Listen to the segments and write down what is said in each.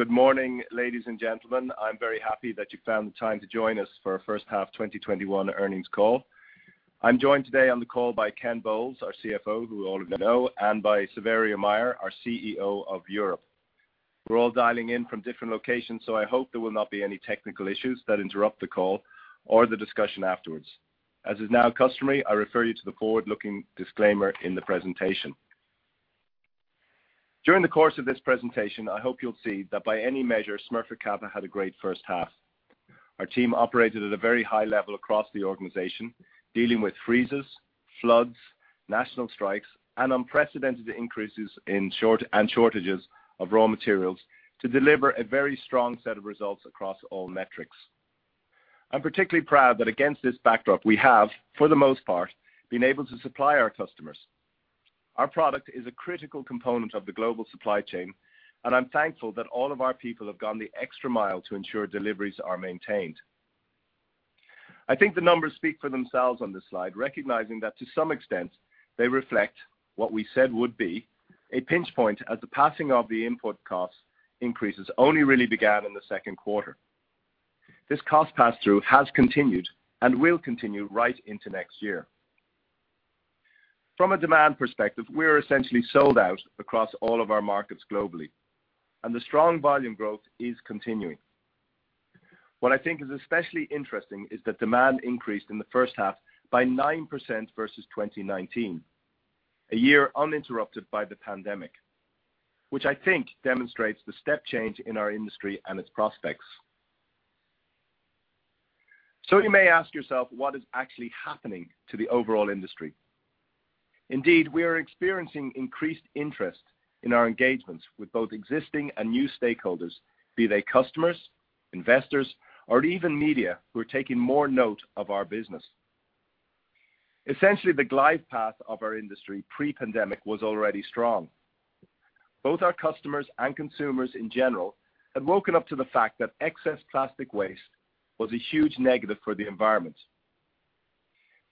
Good morning, ladies and gentlemen. I'm very happy that you found the time to join us for our first half 2021 earnings call. I'm joined today on the call by Ken Bowles, our CFO, who all of you know, and by Saverio Mayer, our CEO of Europe. We're all dialing in from different locations, so I hope there will not be any technical issues that interrupt the call or the discussion afterwards. As is now customary, I refer you to the forward-looking disclaimer in the presentation. During the course of this presentation, I hope you'll see that by any measure, Smurfit Kappa had a great first half. Our team operated at a very high level across the organization, dealing with freezes, floods, national strikes, and unprecedented increases in costs and shortages of raw materials to deliver a very strong set of results across all metrics. I'm particularly proud that against this backdrop, we have, for the most part, been able to supply our customers. Our product is a critical component of the global supply chain, and I'm thankful that all of our people have gone the extra mile to ensure deliveries are maintained. I think the numbers speak for themselves on this slide, recognizing that to some extent, they reflect what we said would be a pinch point as the passing of the input cost increases only really began in the second quarter. This cost pass-through has continued and will continue right into next year. From a demand perspective, we're essentially sold out across all of our markets globally, and the strong volume growth is continuing. What I think is especially interesting is that demand increased in the first half by 9% versus 2019, a year uninterrupted by the pandemic, which I think demonstrates the step change in our industry and its prospects. So you may ask yourself, what is actually happening to the overall industry? Indeed, we are experiencing increased interest in our engagements with both existing and new stakeholders, be they customers, investors, or even media who are taking more note of our business. Essentially, the glide path of our industry, pre-pandemic, was already strong. Both our customers and consumers in general had woken up to the fact that excess plastic waste was a huge negative for the environment.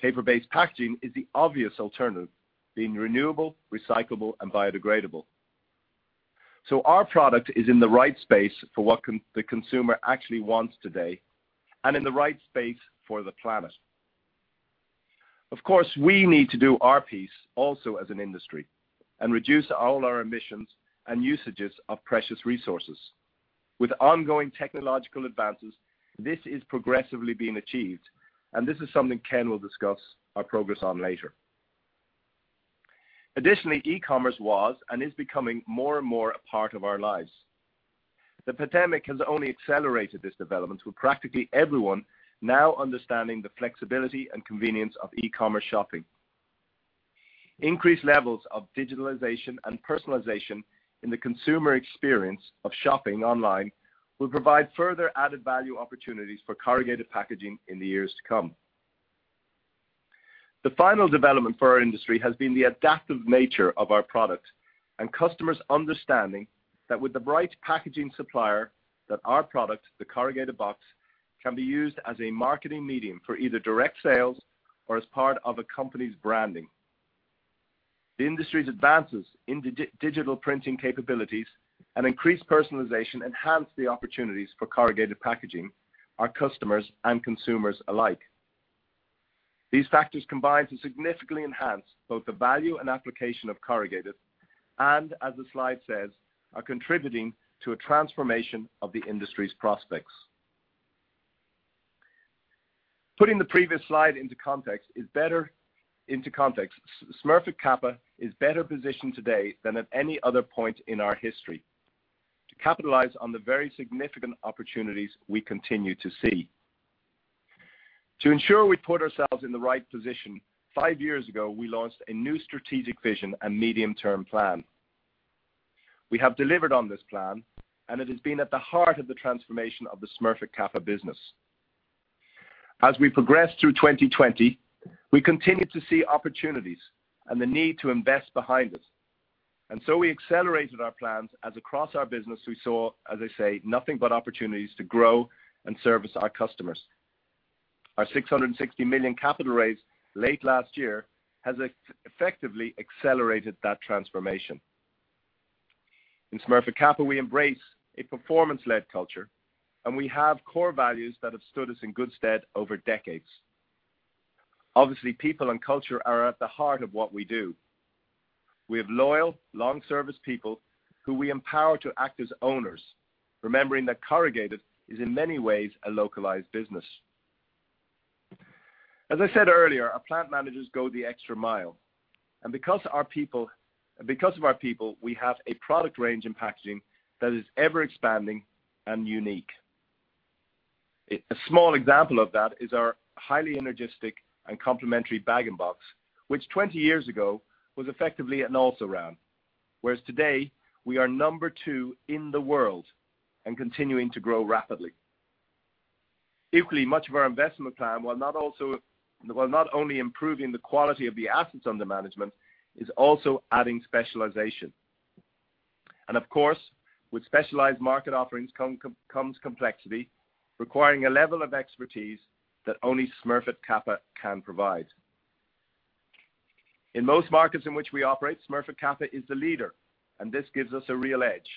Paper-based packaging is the obvious alternative, being renewable, recyclable, and biodegradable. Our product is in the right space for what the consumer actually wants today and in the right space for the planet. Of course, we need to do our piece also as an industry and reduce all our emissions and usages of precious resources. With ongoing technological advances, this is progressively being achieved, and this is something Ken will discuss our progress on later. Additionally, e-commerce was and is becoming more and more a part of our lives. The pandemic has only accelerated this development, with practically everyone now understanding the flexibility and convenience of e-commerce shopping. Increased levels of digitalization and personalization in the consumer experience of shopping online will provide further added value opportunities for corrugated packaging in the years to come. The final development for our industry has been the adaptive nature of our product, and customers understanding that with the right packaging supplier, that our product, the corrugated box, can be used as a marketing medium for either direct sales or as part of a company's branding. The industry's advances in digital printing capabilities and increased personalization enhance the opportunities for corrugated packaging, our customers and consumers alike. These factors combine to significantly enhance both the value and application of corrugated, and as the slide says, are contributing to a transformation of the industry's prospects. Putting the previous slide into context, Smurfit Kappa is better positioned today than at any other point in our history to capitalize on the very significant opportunities we continue to see. To ensure we put ourselves in the right position, five years ago, we launched a new strategic vision and medium-term plan. We have delivered on this plan, and it has been at the heart of the transformation of the Smurfit Kappa business. As we progress through 2020, we continue to see opportunities and the need to invest behind us. And so we accelerated our plans as across our business, we saw, as I say, nothing but opportunities to grow and service our customers. Our 660 million capital raise late last year has effectively accelerated that transformation. In Smurfit Kappa, we embrace a performance-led culture, and we have core values that have stood us in good stead over decades. Obviously, people and culture are at the heart of what we do. We have loyal, long-service people who we empower to act as owners, remembering that corrugated is in many ways a localized business. As I said earlier, our plant managers go the extra mile, and because of our people, we have a product range and packaging that is ever-expanding and unique. A small example of that is our highly synergistic and complementary Bag-in-Box, which 20 years ago was effectively an also-ran, whereas today, we are number two in the world and continuing to grow rapidly. Equally, much of our investment plan, while not only improving the quality of the assets under management, is also adding specialization. And of course, with specialized market offerings comes complexity, requiring a level of expertise that only Smurfit Kappa can provide. In most markets in which we operate, Smurfit Kappa is the leader, and this gives us a real edge.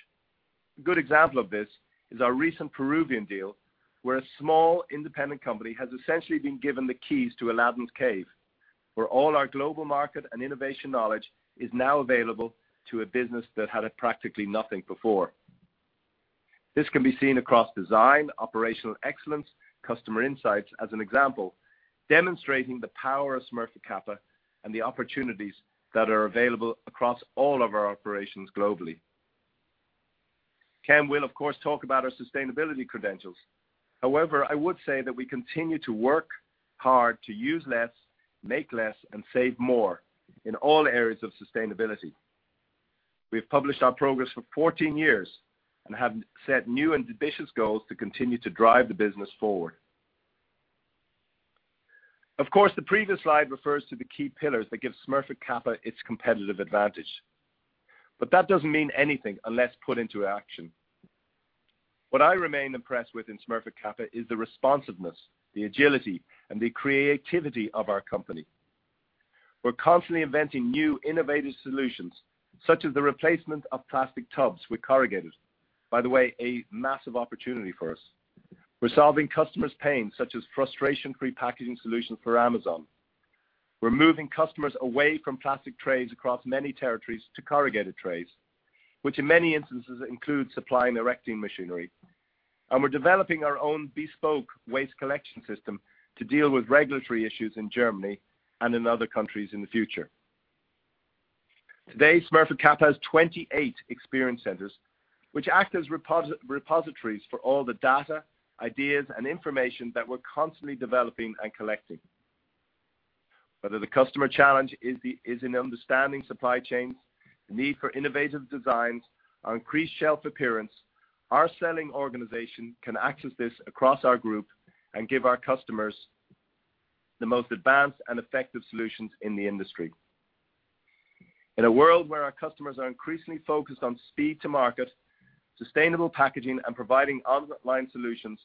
A good example of this is our recent Peruvian deal, where a small independent company has essentially been given the keys to Aladdin's Cave, where all our global market and innovation knowledge is now available to a business that had practically nothing before. This can be seen across design, operational excellence, customer insights, as an example, demonstrating the power of Smurfit Kappa and the opportunities that are available across all of our operations globally. Ken will, of course, talk about our sustainability credentials. However, I would say that we continue to work hard to use less, make less, and save more in all areas of sustainability. We've published our progress for 14 years and have set new and ambitious goals to continue to drive the business forward. Of course, the previous slide refers to the key pillars that give Smurfit Kappa its competitive advantage, but that doesn't mean anything unless put into action. What I remain impressed with in Smurfit Kappa is the responsiveness, the agility, and the creativity of our company. We're constantly inventing new innovative solutions, such as the replacement of plastic tubs with corrugated. By the way, a massive opportunity for us. We're solving customers' pain, such as frustration-free packaging solutions for Amazon. We're moving customers away from plastic trays across many territories to corrugated trays, which in many instances, includes supplying erecting machinery, and we're developing our own bespoke waste collection system to deal with regulatory issues in Germany and in other countries in the future. Today, Smurfit Kappa has 28 Experience Centres, which act as repositories for all the data, ideas, and information that we're constantly developing and collecting. Whether the customer challenge is in understanding supply chains, the need for innovative designs, or increased shelf appearance, our selling organization can access this across our group and give our customers the most advanced and effective solutions in the industry. In a world where our customers are increasingly focused on speed to market, sustainable packaging, and providing online solutions,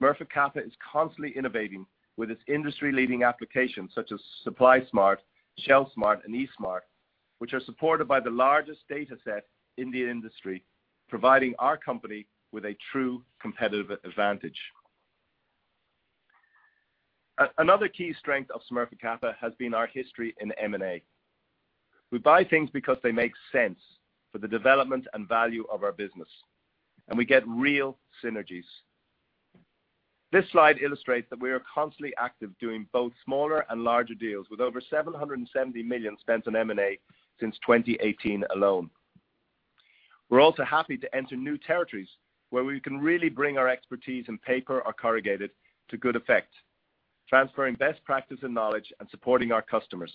Smurfit Kappa is constantly innovating with its industry-leading applications, such as SupplySmart, ShelfSmart, and eSmart, which are supported by the largest data set in the industry, providing our company with a true competitive advantage. Another key strength of Smurfit Kappa has been our history in M&A. We buy things because they make sense for the development and value of our business, and we get real synergies. This slide illustrates that we are constantly active, doing both smaller and larger deals, with over 770 million spent on M&A since 2018 alone. We're also happy to enter new territories, where we can really bring our expertise in paper or corrugated to good effect, transferring best practice and knowledge and supporting our customers.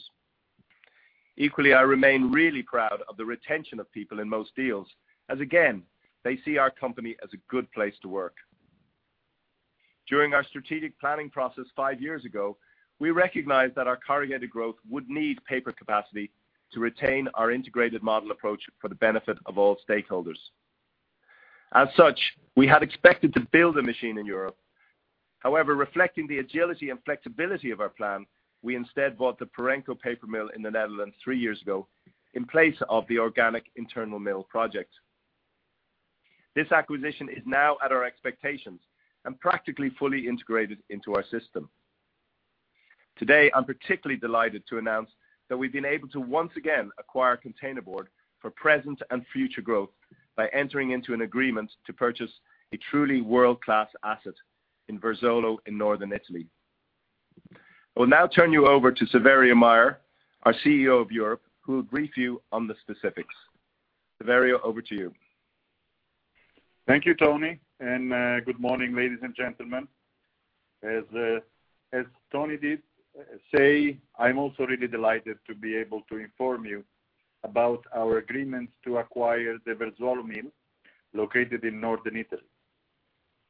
Equally, I remain really proud of the retention of people in most deals, as again, they see our company as a good place to work. During our strategic planning process five years ago, we recognized that our corrugated growth would need paper capacity to retain our integrated model approach for the benefit of all stakeholders. As such, we had expected to build a machine in Europe. However, reflecting the agility and flexibility of our plan, we instead bought the Parenco paper mill in the Netherlands three years ago in place of the organic internal mill project. This acquisition is now at our expectations and practically fully integrated into our system. Today, I'm particularly delighted to announce that we've been able to once again acquire containerboard for present and future growth by entering into an agreement to purchase a truly world-class asset in Verzuolo in northern Italy. I will now turn you over to Saverio Mayer, our CEO of Europe, who will brief you on the specifics. Saverio, over to you. Thank you, Tony, and good morning, ladies and gentlemen. As Tony did say, I'm also really delighted to be able to inform you about our agreements to acquire the Verzuolo mill, located in northern Italy.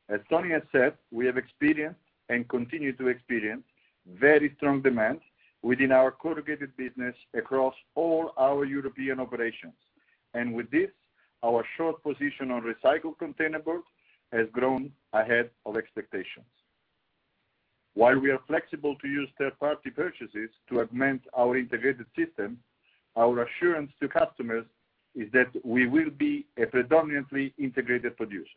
As Tony has said, we have experienced and continue to experience very strong demand within our corrugated business across all our European operations. And with this, our short position on recycled containerboard has grown ahead of expectations. While we are flexible to use third-party purchases to augment our integrated system, our assurance to customers is that we will be a predominantly integrated producer.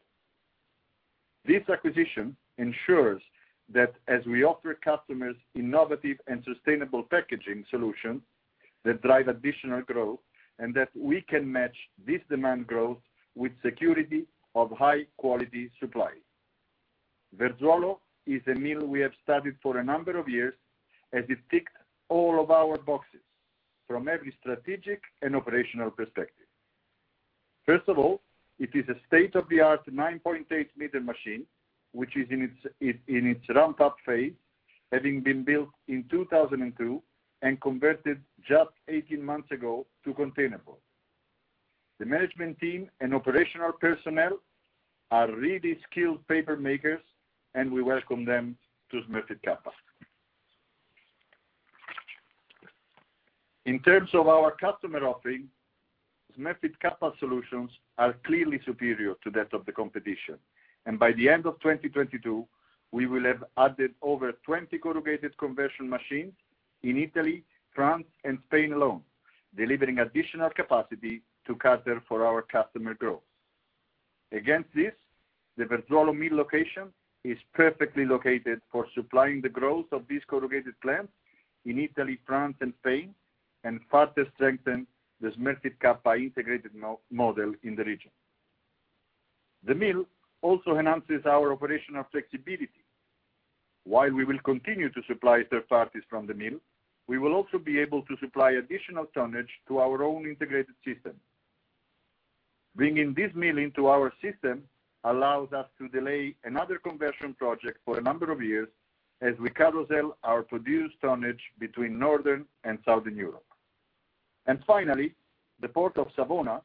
This acquisition ensures that as we offer customers innovative and sustainable packaging solutions that drive additional growth, and that we can match this demand growth with security of high-quality supply. Verzuolo is a mill we have studied for a number of years, as it ticks all of our boxes from every strategic and operational perspective. First of all, it is a state-of-the-art 9.8 m machine, which is in its ramp-up phase, having been built in 2002 and converted just eighteen months ago to containerboard. The management team and operational personnel are really skilled paper makers, and we welcome them to Smurfit Kappa. In terms of our customer offering... Smurfit Kappa solutions are clearly superior to that of the competition, and by the end of 2022, we will have added over 20 corrugated conversion machines in Italy, France, and Spain alone, delivering additional capacity to cater for our customer growth. Against this, the Verzuolo mill location is perfectly located for supplying the growth of these corrugated plants in Italy, France, and Spain, and further strengthen the Smurfit Kappa integrated model in the region. The mill also enhances our operational flexibility. While we will continue to supply third parties from the mill, we will also be able to supply additional tonnage to our own integrated system. Bringing this mill into our system allows us to delay another conversion project for a number of years, as we carousel our produced tonnage between Northern and Southern Europe. And finally, the Port of Savona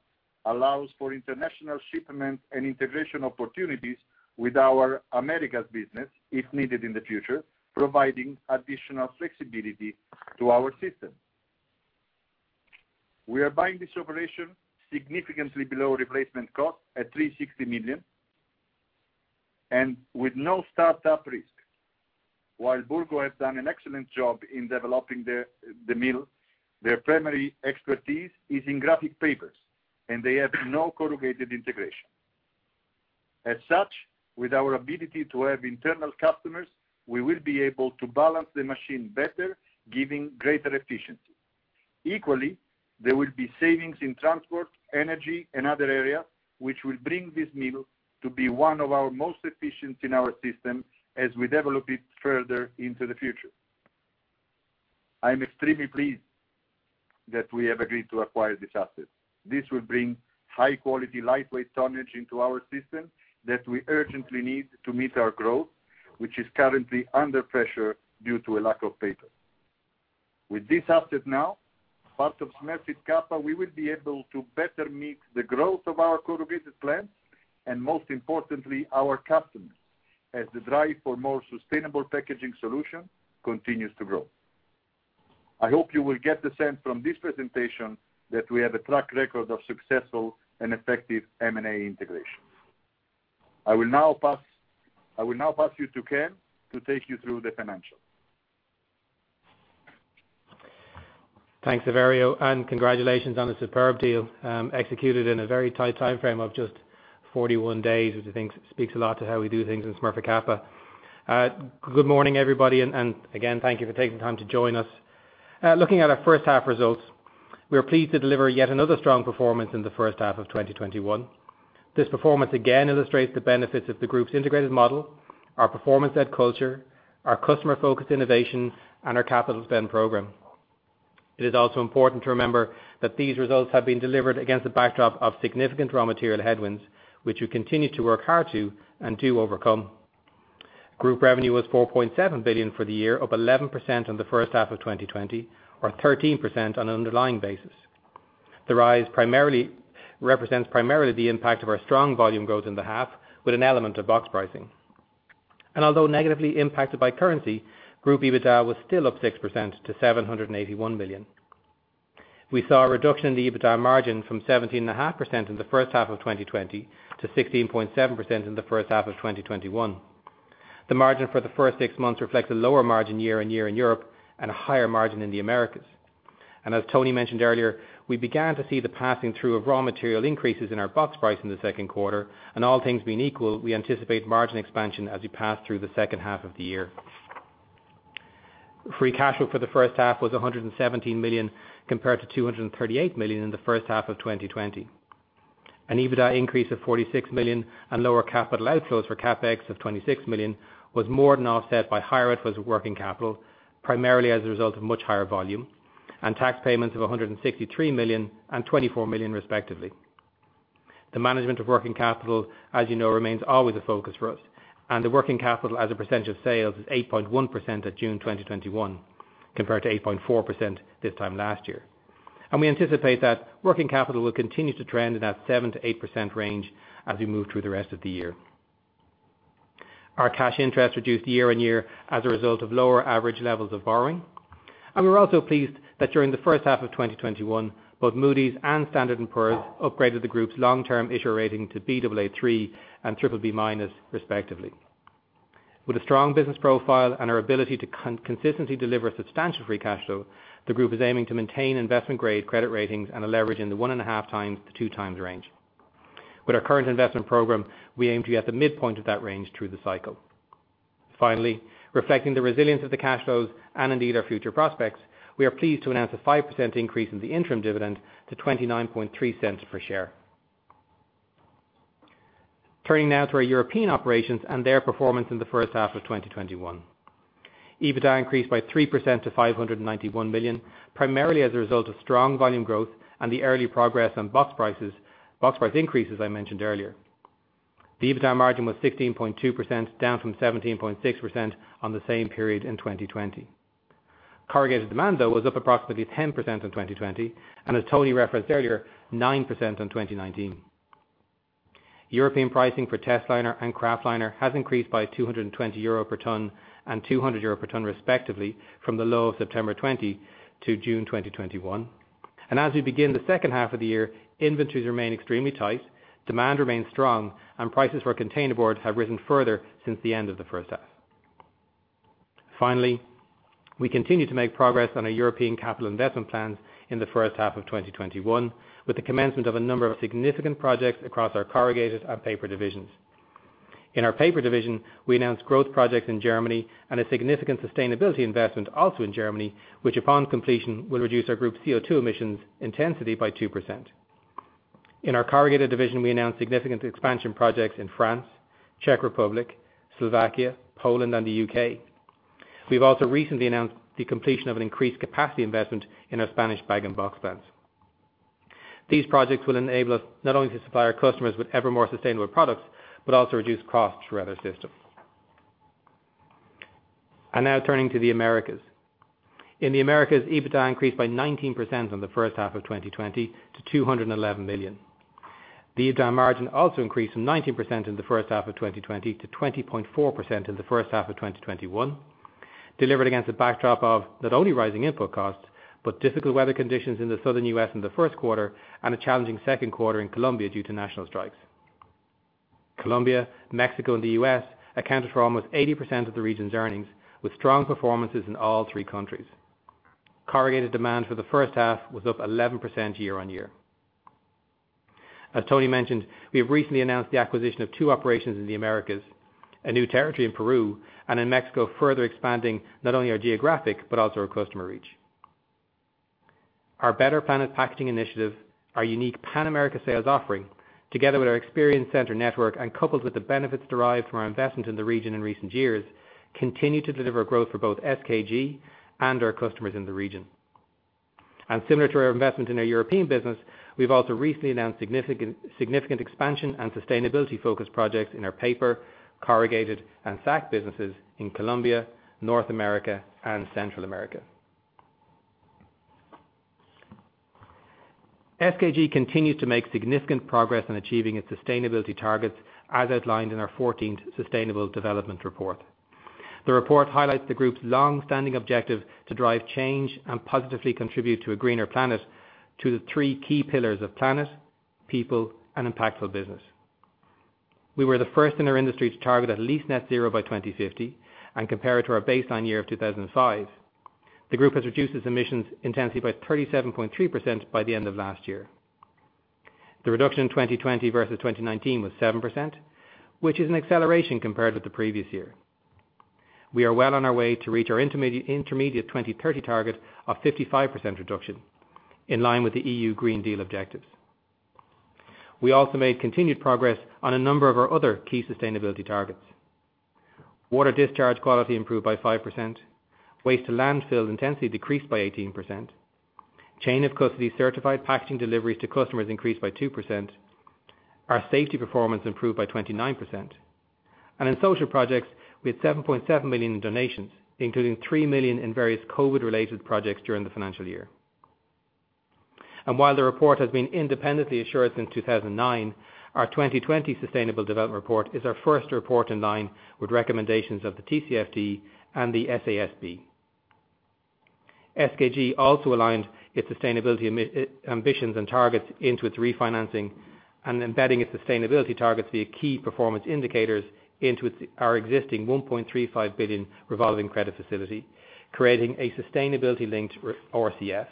allows for international shipment and integration opportunities with our Americas business, if needed in the future, providing additional flexibility to our system. We are buying this operation significantly below replacement cost at 360 million, and with no startup risk. While Burgo has done an excellent job in developing the mill, their primary expertise is in graphic papers, and they have no corrugated integration. As such, with our ability to have internal customers, we will be able to balance the machine better, giving greater efficiency. Equally, there will be savings in transport, energy, and other area, which will bring this mill to be one of our most efficient in our system as we develop it further into the future. I am extremely pleased that we have agreed to acquire this asset. This will bring high quality, lightweight tonnage into our system that we urgently need to meet our growth, which is currently under pressure due to a lack of paper. With this asset now part of Smurfit Kappa, we will be able to better meet the growth of our corrugated plants, and most importantly, our customers, as the drive for more sustainable packaging solution continues to grow. I hope you will get the sense from this presentation that we have a track record of successful and effective M&A integration. I will now pass you to Ken to take you through the financials. Thanks, Saverio, and congratulations on the superb deal executed in a very tight timeframe of just 41 days, which I think speaks a lot to how we do things in Smurfit Kappa. Good morning, everybody, and again, thank you for taking the time to join us. Looking at our first half results, we are pleased to deliver yet another strong performance in the first half of 2021. This performance again illustrates the benefits of the group's integrated model, our performance-led culture, our customer-focused innovation, and our capital spend program. It is also important to remember that these results have been delivered against a backdrop of significant raw material headwinds, which we continue to work hard to overcome. Group revenue was 4.7 billion for the year, up 11% on the first half of 2020, or 13% on an underlying basis. The rise primarily represents the impact of our strong volume growth in the half, with an element of box pricing. Although negatively impacted by currency, group EBITDA was still up 6% to 781 million. We saw a reduction in the EBITDA margin from 17.5% in the first half of 2020 to 16.7% in the first half of 2021. The margin for the first six months reflects a lower margin year-on-year in Europe and a higher margin in the Americas. As Tony mentioned earlier, we began to see the passing through of raw material increases in our box price in the second quarter, and all things being equal, we anticipate margin expansion as we pass through the second half of the year. Free cash flow for the first half was 117 million, compared to 238 million in the first half of 2020. An EBITDA increase of 46 million and lower capital outflows for CapEx of 26 million was more than offset by higher working capital, primarily as a result of much higher volume and tax payments of 163 million and 24 million respectively. The management of working capital, as you know, remains always a focus for us, and the working capital as a percentage of sales is 8.1% at June 2021, compared to 8.4% this time last year, and we anticipate that working capital will continue to trend in that 7%-8% range as we move through the rest of the year. Our cash interest reduced year-on-year as a result of lower average levels of borrowing, and we're also pleased that during the first half of 2021, both Moody's and Standard & Poor's upgraded the group's long-term issuer rating to Baa3 and BBB-, respectively. With a strong business profile and our ability to consistently deliver substantial free cash flow, the group is aiming to maintain investment-grade credit ratings and a leverage in the 1.5x-2x range. With our current investment program, we aim to be at the midpoint of that range through the cycle. Finally, reflecting the resilience of the cash flows and indeed our future prospects, we are pleased to announce a 5% increase in the interim dividend to 0.293 per share. Turning now to our European operations and their performance in the first half of 2021. EBITDA increased by 3% to 591 million, primarily as a result of strong volume growth and the early progress on box prices, box price increases I mentioned earlier. The EBITDA margin was 16.2%, down from 17.6% on the same period in 2020. Corrugated demand, though, was up approximately 10% in 2020, and as Tony referenced earlier, 9% on 2019. European pricing for testliner and kraftliner has increased by 220 euro per ton and 200 euro per ton respectively, from the low of September 2020 to June 2021. And as we begin the second half of the year, inventories remain extremely tight, demand remains strong, and prices for containerboard have risen further since the end of the first half. Finally, we continue to make progress on our European capital investment plans in the first half of 2021, with the commencement of a number of significant projects across our corrugated and paper divisions. In our paper division, we announced growth projects in Germany and a significant sustainability investment also in Germany, which, upon completion, will reduce our group's CO2 emissions intensity by 2%. In our corrugated division, we announced significant expansion projects in France, Czech Republic, Slovakia, Poland, and the U.K. We've also recently announced the completion of an increased capacity investment in our Spanish bag and box plants. These projects will enable us not only to supply our customers with ever more sustainable products, but also reduce costs throughout our system. And now turning to the Americas. In the Americas, EBITDA increased by 19% from the first half of 2020 to 211 million. The EBITDA margin also increased from 19% in the first half of 2020 to 20.4% in the first half of 2021, delivered against a backdrop of not only rising input costs, but difficult weather conditions in the Southern U.S. in the first quarter, and a challenging second quarter in Colombia due to national strikes. Colombia, Mexico, and the U.S. accounted for almost 80% of the region's earnings, with strong performances in all three countries. Corrugated demand for the first half was up 11% year-on-year. As Tony mentioned, we have recently announced the acquisition of two operations in the Americas, a new territory in Peru, and in Mexico, further expanding not only our geographic, but also our customer reach. Our Better Planet Packaging initiative, our unique Pan America sales offering, together with our Experience Center network, and coupled with the benefits derived from our investment in the region in recent years, continue to deliver growth for both SKG and our customers in the region, and similar to our investment in our European business, we've also recently announced significant expansion and sustainability-focused projects in our paper, corrugated, and sack businesses in Colombia, North America, and Central America. SKG continues to make significant progress in achieving its sustainability targets, as outlined in our fourteenth Sustainable Development Report. The report highlights the group's long-standing objective to drive change and positively contribute to a greener planet, to the three key pillars of planet, people, and impactful business. We were the first in our industry to target at least net zero by 2050, and compared to our baseline year of 2005, the group has reduced its emissions intensity by 37.3% by the end of last year. The reduction in 2020 versus 2019 was 7%, which is an acceleration compared with the previous year. We are well on our way to reach our intermediate 2030 target of 55% reduction, in line with the EU Green Deal objectives. We also made continued progress on a number of our other key sustainability targets. Water discharge quality improved by 5%, waste to landfill intensity decreased by 18%, chain of custody certified packaging deliveries to customers increased by 2%, our safety performance improved by 29%, and in social projects, we had 7.7 million in donations, including 3 million in various COVID-related projects during the financial year. While the report has been independently assured since 2009, our 2020 Sustainable Development Report is our first report in line with recommendations of the TCFD and the SASB. SKG also aligned its sustainability ambitions and targets into its refinancing, and embedding its sustainability targets via key performance indicators into its, our existing 1.35 billion revolving credit facility, creating a sustainability-linked RCF.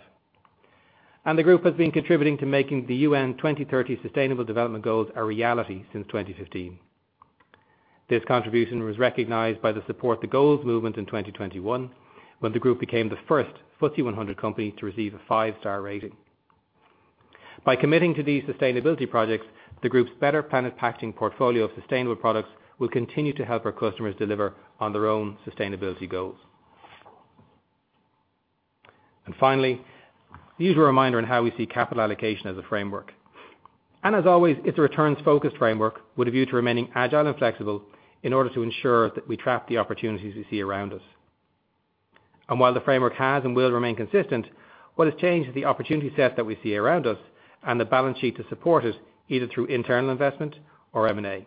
The group has been contributing to making the UN 2030 Sustainable Development Goals a reality since 2015. This contribution was recognized by the Support the Goals movement in 2021, when the group became the first FTSE 100 company to receive a five-star rating. By committing to these sustainability projects, the group's Better Planet Packaging portfolio of sustainable products will continue to help our customers deliver on their own sustainability goals. Finally, the usual reminder on how we see capital allocation as a framework. As always, it's a returns-focused framework with a view to remaining agile and flexible in order to ensure that we trap the opportunities we see around us. While the framework has and will remain consistent, what has changed is the opportunity set that we see around us and the balance sheet to support it, either through internal investment or M&A.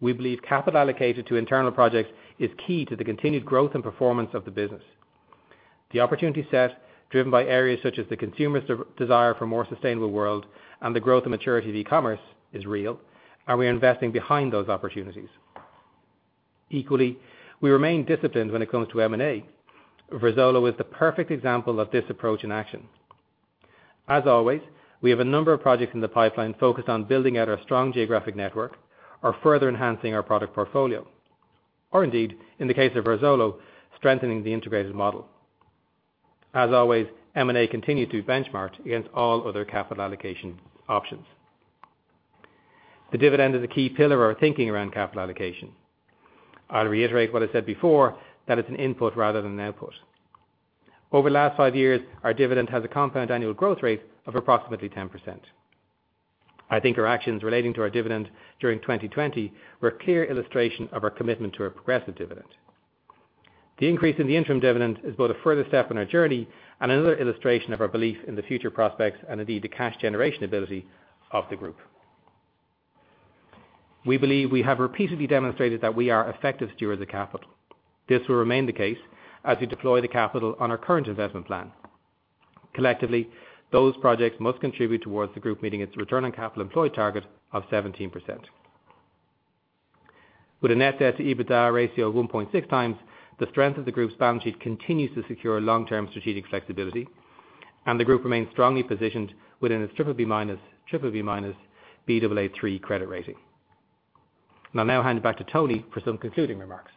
We believe capital allocated to internal projects is key to the continued growth and performance of the business. The opportunity set, driven by areas such as the consumer's desire for a more sustainable world and the growth and maturity of e-commerce, is real, and we are investing behind those opportunities. Equally, we remain disciplined when it comes to M&A. Verzuolo is the perfect example of this approach in action. As always, we have a number of projects in the pipeline focused on building out our strong geographic network or further enhancing our product portfolio, or indeed, in the case of Verzuolo, strengthening the integrated model. As always, M&A continued to benchmark against all other capital allocation options. The dividend is a key pillar of our thinking around capital allocation. I'll reiterate what I said before, that it's an input rather than an output. Over the last five years, our dividend has a compound annual growth rate of approximately 10%. I think our actions relating to our dividend during 2020 were a clear illustration of our commitment to a progressive dividend. The increase in the interim dividend is both a further step in our journey and another illustration of our belief in the future prospects and indeed, the cash generation ability of the group. We believe we have repeatedly demonstrated that we are effective stewards of capital. This will remain the case as we deploy the capital on our current investment plan. Collectively, those projects must contribute towards the group meeting its return on capital employed target of 17%. With a net debt-to-EBITDA ratio of 1.6x, the strength of the group's balance sheet continues to secure long-term strategic flexibility, and the group remains strongly positioned within its BBB-, BBB-, Baa3 credit rating. And I'll now hand it back to Tony for some concluding remarks.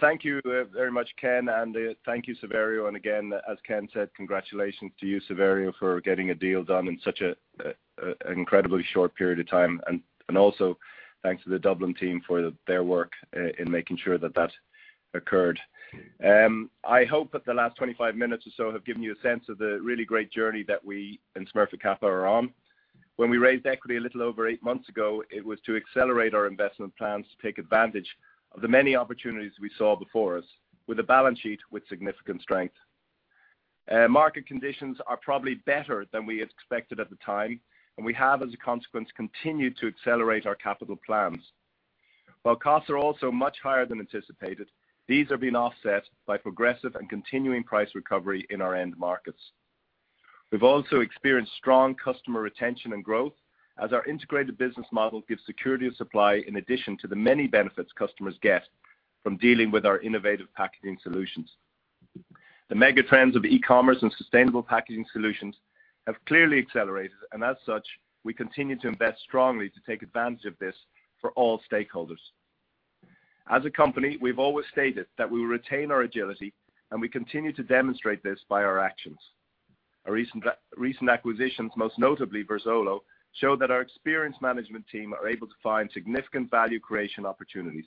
Thank you very much, Ken, and thank you, Saverio. And again, as Ken said, congratulations to you, Saverio, for getting a deal done in such an incredibly short period of time. And also thanks to the Dublin team for their work in making sure that that occurred. I hope that the last 25 minutes or so have given you a sense of the really great journey that we, in Smurfit Kappa, are on. When we raised equity a little over eight months ago, it was to accelerate our investment plans to take advantage of the many opportunities we saw before us, with a balance sheet with significant strength. Market conditions are probably better than we had expected at the time, and we have, as a consequence, continued to accelerate our capital plans. While costs are also much higher than anticipated, these are being offset by progressive and continuing price recovery in our end markets. We've also experienced strong customer retention and growth as our integrated business model gives security of supply, in addition to the many benefits customers get from dealing with our innovative packaging solutions. The mega trends of e-commerce and sustainable packaging solutions have clearly accelerated, and as such, we continue to invest strongly to take advantage of this for all stakeholders. As a company, we've always stated that we will retain our agility, and we continue to demonstrate this by our actions. Our recent acquisitions, most notably Verzuolo, show that our experienced management team are able to find significant value creation opportunities.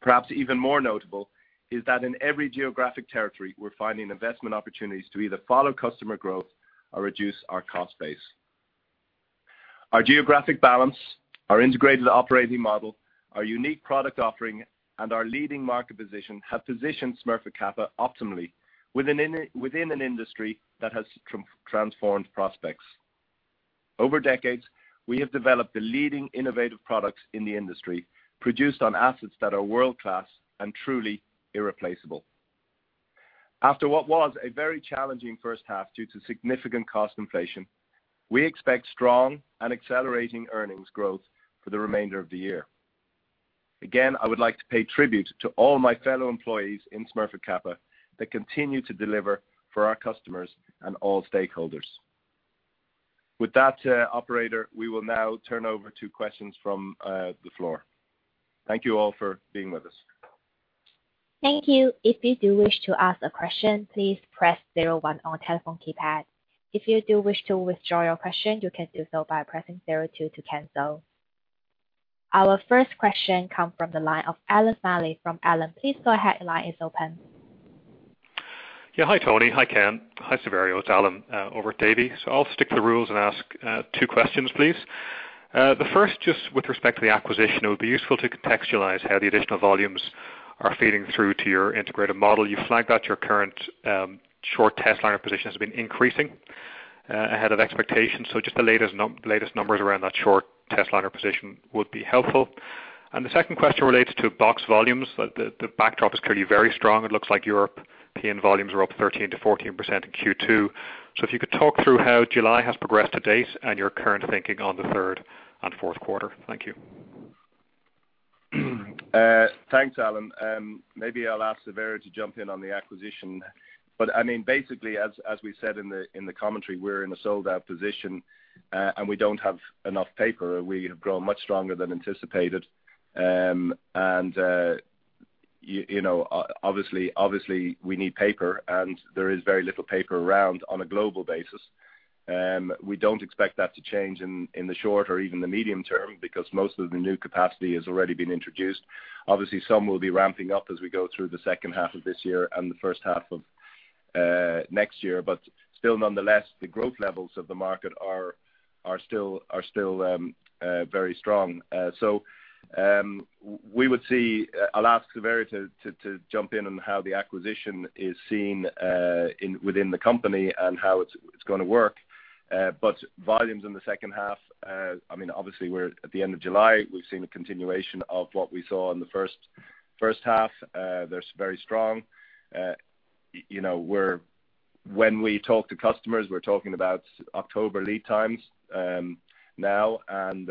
Perhaps even more notable is that in every geographic territory, we're finding investment opportunities to either follow customer growth or reduce our cost base. Our geographic balance, our integrated operating model, our unique product offering, and our leading market position have positioned Smurfit Kappa optimally, within an industry that has transformed prospects. Over decades, we have developed the leading innovative products in the industry, produced on assets that are world-class and truly irreplaceable. After what was a very challenging first half due to significant cost inflation, we expect strong and accelerating earnings growth for the remainder of the year. Again, I would like to pay tribute to all my fellow employees in Smurfit Kappa that continue to deliver for our customers and all stakeholders. With that, operator, we will now turn over to questions from the floor. Thank you all for being with us. Thank you. If you do wish to ask a question, please press zero one on your telephone keypad. If you do wish to withdraw your question, you can do so by pressing zero two to cancel. Our first question comes from the line of Allan Smylie from Davy. Please go ahead, your line is open. Yeah. Hi, Tony. Hi, Ken. Hi, Saverio. It's Allan over at Davy. So I'll stick to the rules and ask two questions, please. The first, just with respect to the acquisition, it would be useful to contextualize how the additional volumes are feeding through to your integrated model. You flagged that your current short testliner position has been increasing ahead of expectations. So just the latest numbers around that short testliner position would be helpful. And the second question relates to box volumes. The backdrop is clearly very strong. It looks like your PN volumes are up 13%-14% in Q2. So if you could talk through how July has progressed to date and your current thinking on the third and fourth quarter. Thank you. Thanks, Allan. Maybe I'll ask Saverio to jump in on the acquisition, but I mean, basically, as we said in the commentary, we're in a sold-out position, and we don't have enough paper. We have grown much stronger than anticipated. You know, obviously, we need paper, and there is very little paper around on a global basis. We don't expect that to change in the short or even the medium term, because most of the new capacity has already been introduced. Obviously, some will be ramping up as we go through the second half of this year and the first half of next year, but still, nonetheless, the growth levels of the market are still very strong. We would see... I'll ask Saverio to jump in on how the acquisition is seen within the company and how it's gonna work. But volumes in the second half, I mean, obviously, we're at the end of July. We've seen a continuation of what we saw in the first half. They're very strong. You know, when we talk to customers, we're talking about October lead times now, and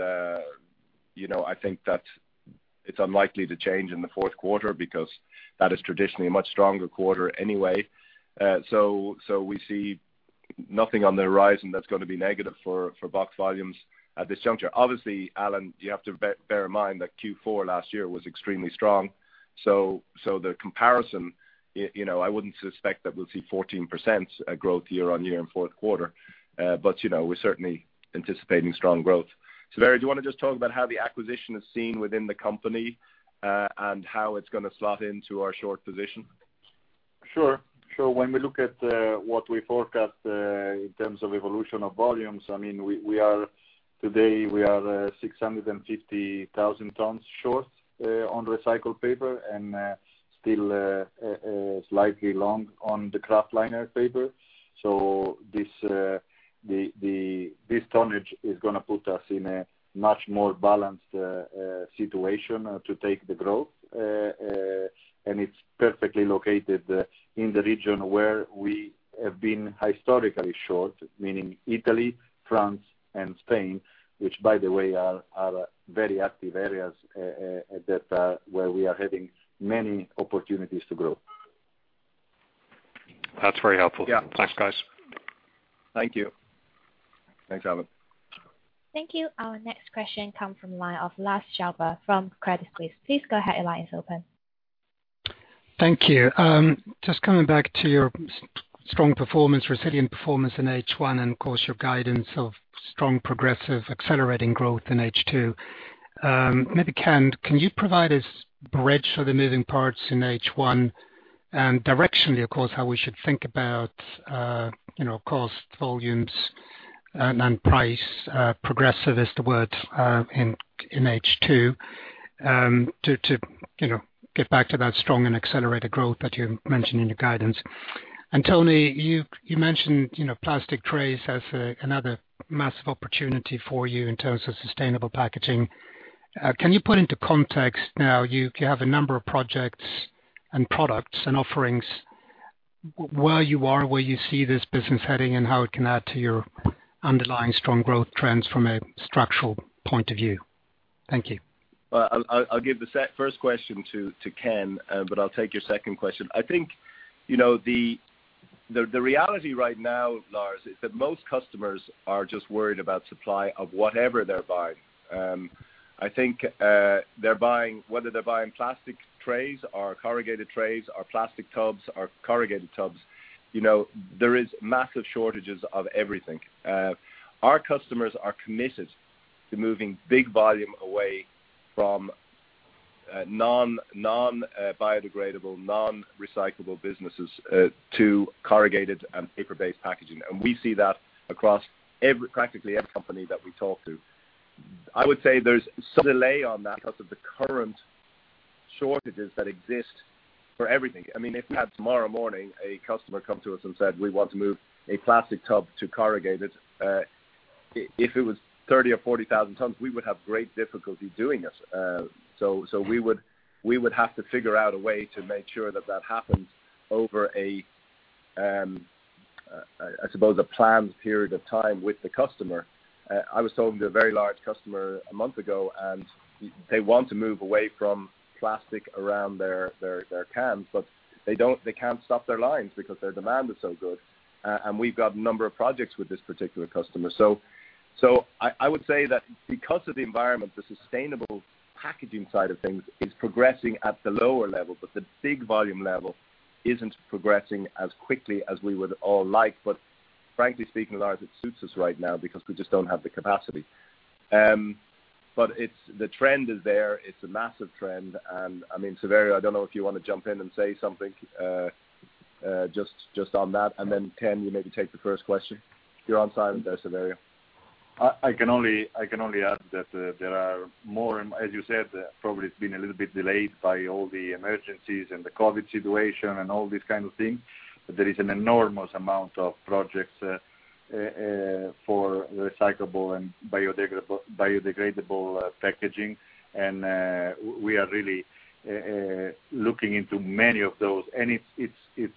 you know, I think that it's unlikely to change in the fourth quarter because that is traditionally a much stronger quarter anyway. So we see nothing on the horizon that's gonna be negative for box volumes at this juncture. Obviously, Allan, you have to bear in mind that Q4 last year was extremely strong. The comparison, you know, I wouldn't suspect that we'll see 14% growth year-on-year in fourth quarter. You know, we're certainly anticipating strong growth. Saverio, do you wanna just talk about how the acquisition is seen within the company, and how it's gonna slot into our short position?... Sure, sure. When we look at what we forecast in terms of evolution of volumes, I mean, we are today we are six hundred and fifty thousand tons short on recycled paper and still slightly long on the kraftliner paper. So this tonnage is gonna put us in a much more balanced situation to take the growth, and it's perfectly located in the region where we have been historically short, meaning Italy, France, and Spain, which, by the way, are very active areas at that where we are having many opportunities to grow. That's very helpful. Yeah. Thanks, guys. Thank you. Thanks, Allan. Thank you. Our next question comes from the line of Lars Kjellberg from Credit Suisse. Please go ahead, your line is open. Thank you. Just coming back to your strong performance, resilient performance in H1, and of course, your guidance of strong, progressive, accelerating growth in H2. Maybe Ken, can you provide us a bridge for the moving parts in H1, and directionally, of course, how we should think about, you know, cost, volumes, and price, progressive is the word, in H2, to you know, get back to that strong and accelerated growth that you mentioned in your guidance. And Tony, you mentioned, you know, plastic trays as another massive opportunity for you in terms of sustainable packaging. Can you put into context now, you, you have a number of projects and products and offerings, where you are, where you see this business heading, and how it can add to your underlying strong growth trends from a structural point of view? Thank you. I'll give the first question to Ken, but I'll take your second question. I think, you know, the reality right now, Lars, is that most customers are just worried about supply of whatever they're buying. I think they're buying, whether they're buying plastic trays or corrugated trays or plastic tubs or corrugated tubs, you know, there is massive shortages of everything. Our customers are committed to moving big volume away from non biodegradable, non-recyclable businesses to corrugated and paper-based packaging, and we see that across practically every company that we talk to. I would say there's some delay on that because of the current shortages that exist for everything. I mean, if we had tomorrow morning, a customer come to us and said, "We want to move a plastic tub to corrugated," if it was thirty or forty thousand tons, we would have great difficulty doing it. So we would have to figure out a way to make sure that that happens over a, I suppose, a planned period of time with the customer. I was talking to a very large customer a month ago, and they want to move away from plastic around their cans, but they don't, they can't stop their lines because their demand is so good. And we've got a number of projects with this particular customer. So I would say that because of the environment, the sustainable packaging side of things is progressing at the lower level, but the big volume level isn't progressing as quickly as we would all like. But frankly speaking, Lars, it suits us right now because we just don't have the capacity. But it's the trend is there, it's a massive trend, and I mean, Saverio, I don't know if you want to jump in and say something, just on that, and then, Ken, you maybe take the first question. You're on silent there, Saverio. I can only add that there are more, as you said, probably it's been a little bit delayed by all the emergencies and the COVID situation and all these kind of things. But there is an enormous amount of projects for recyclable and biodegradable packaging, and we are really looking into many of those. And it's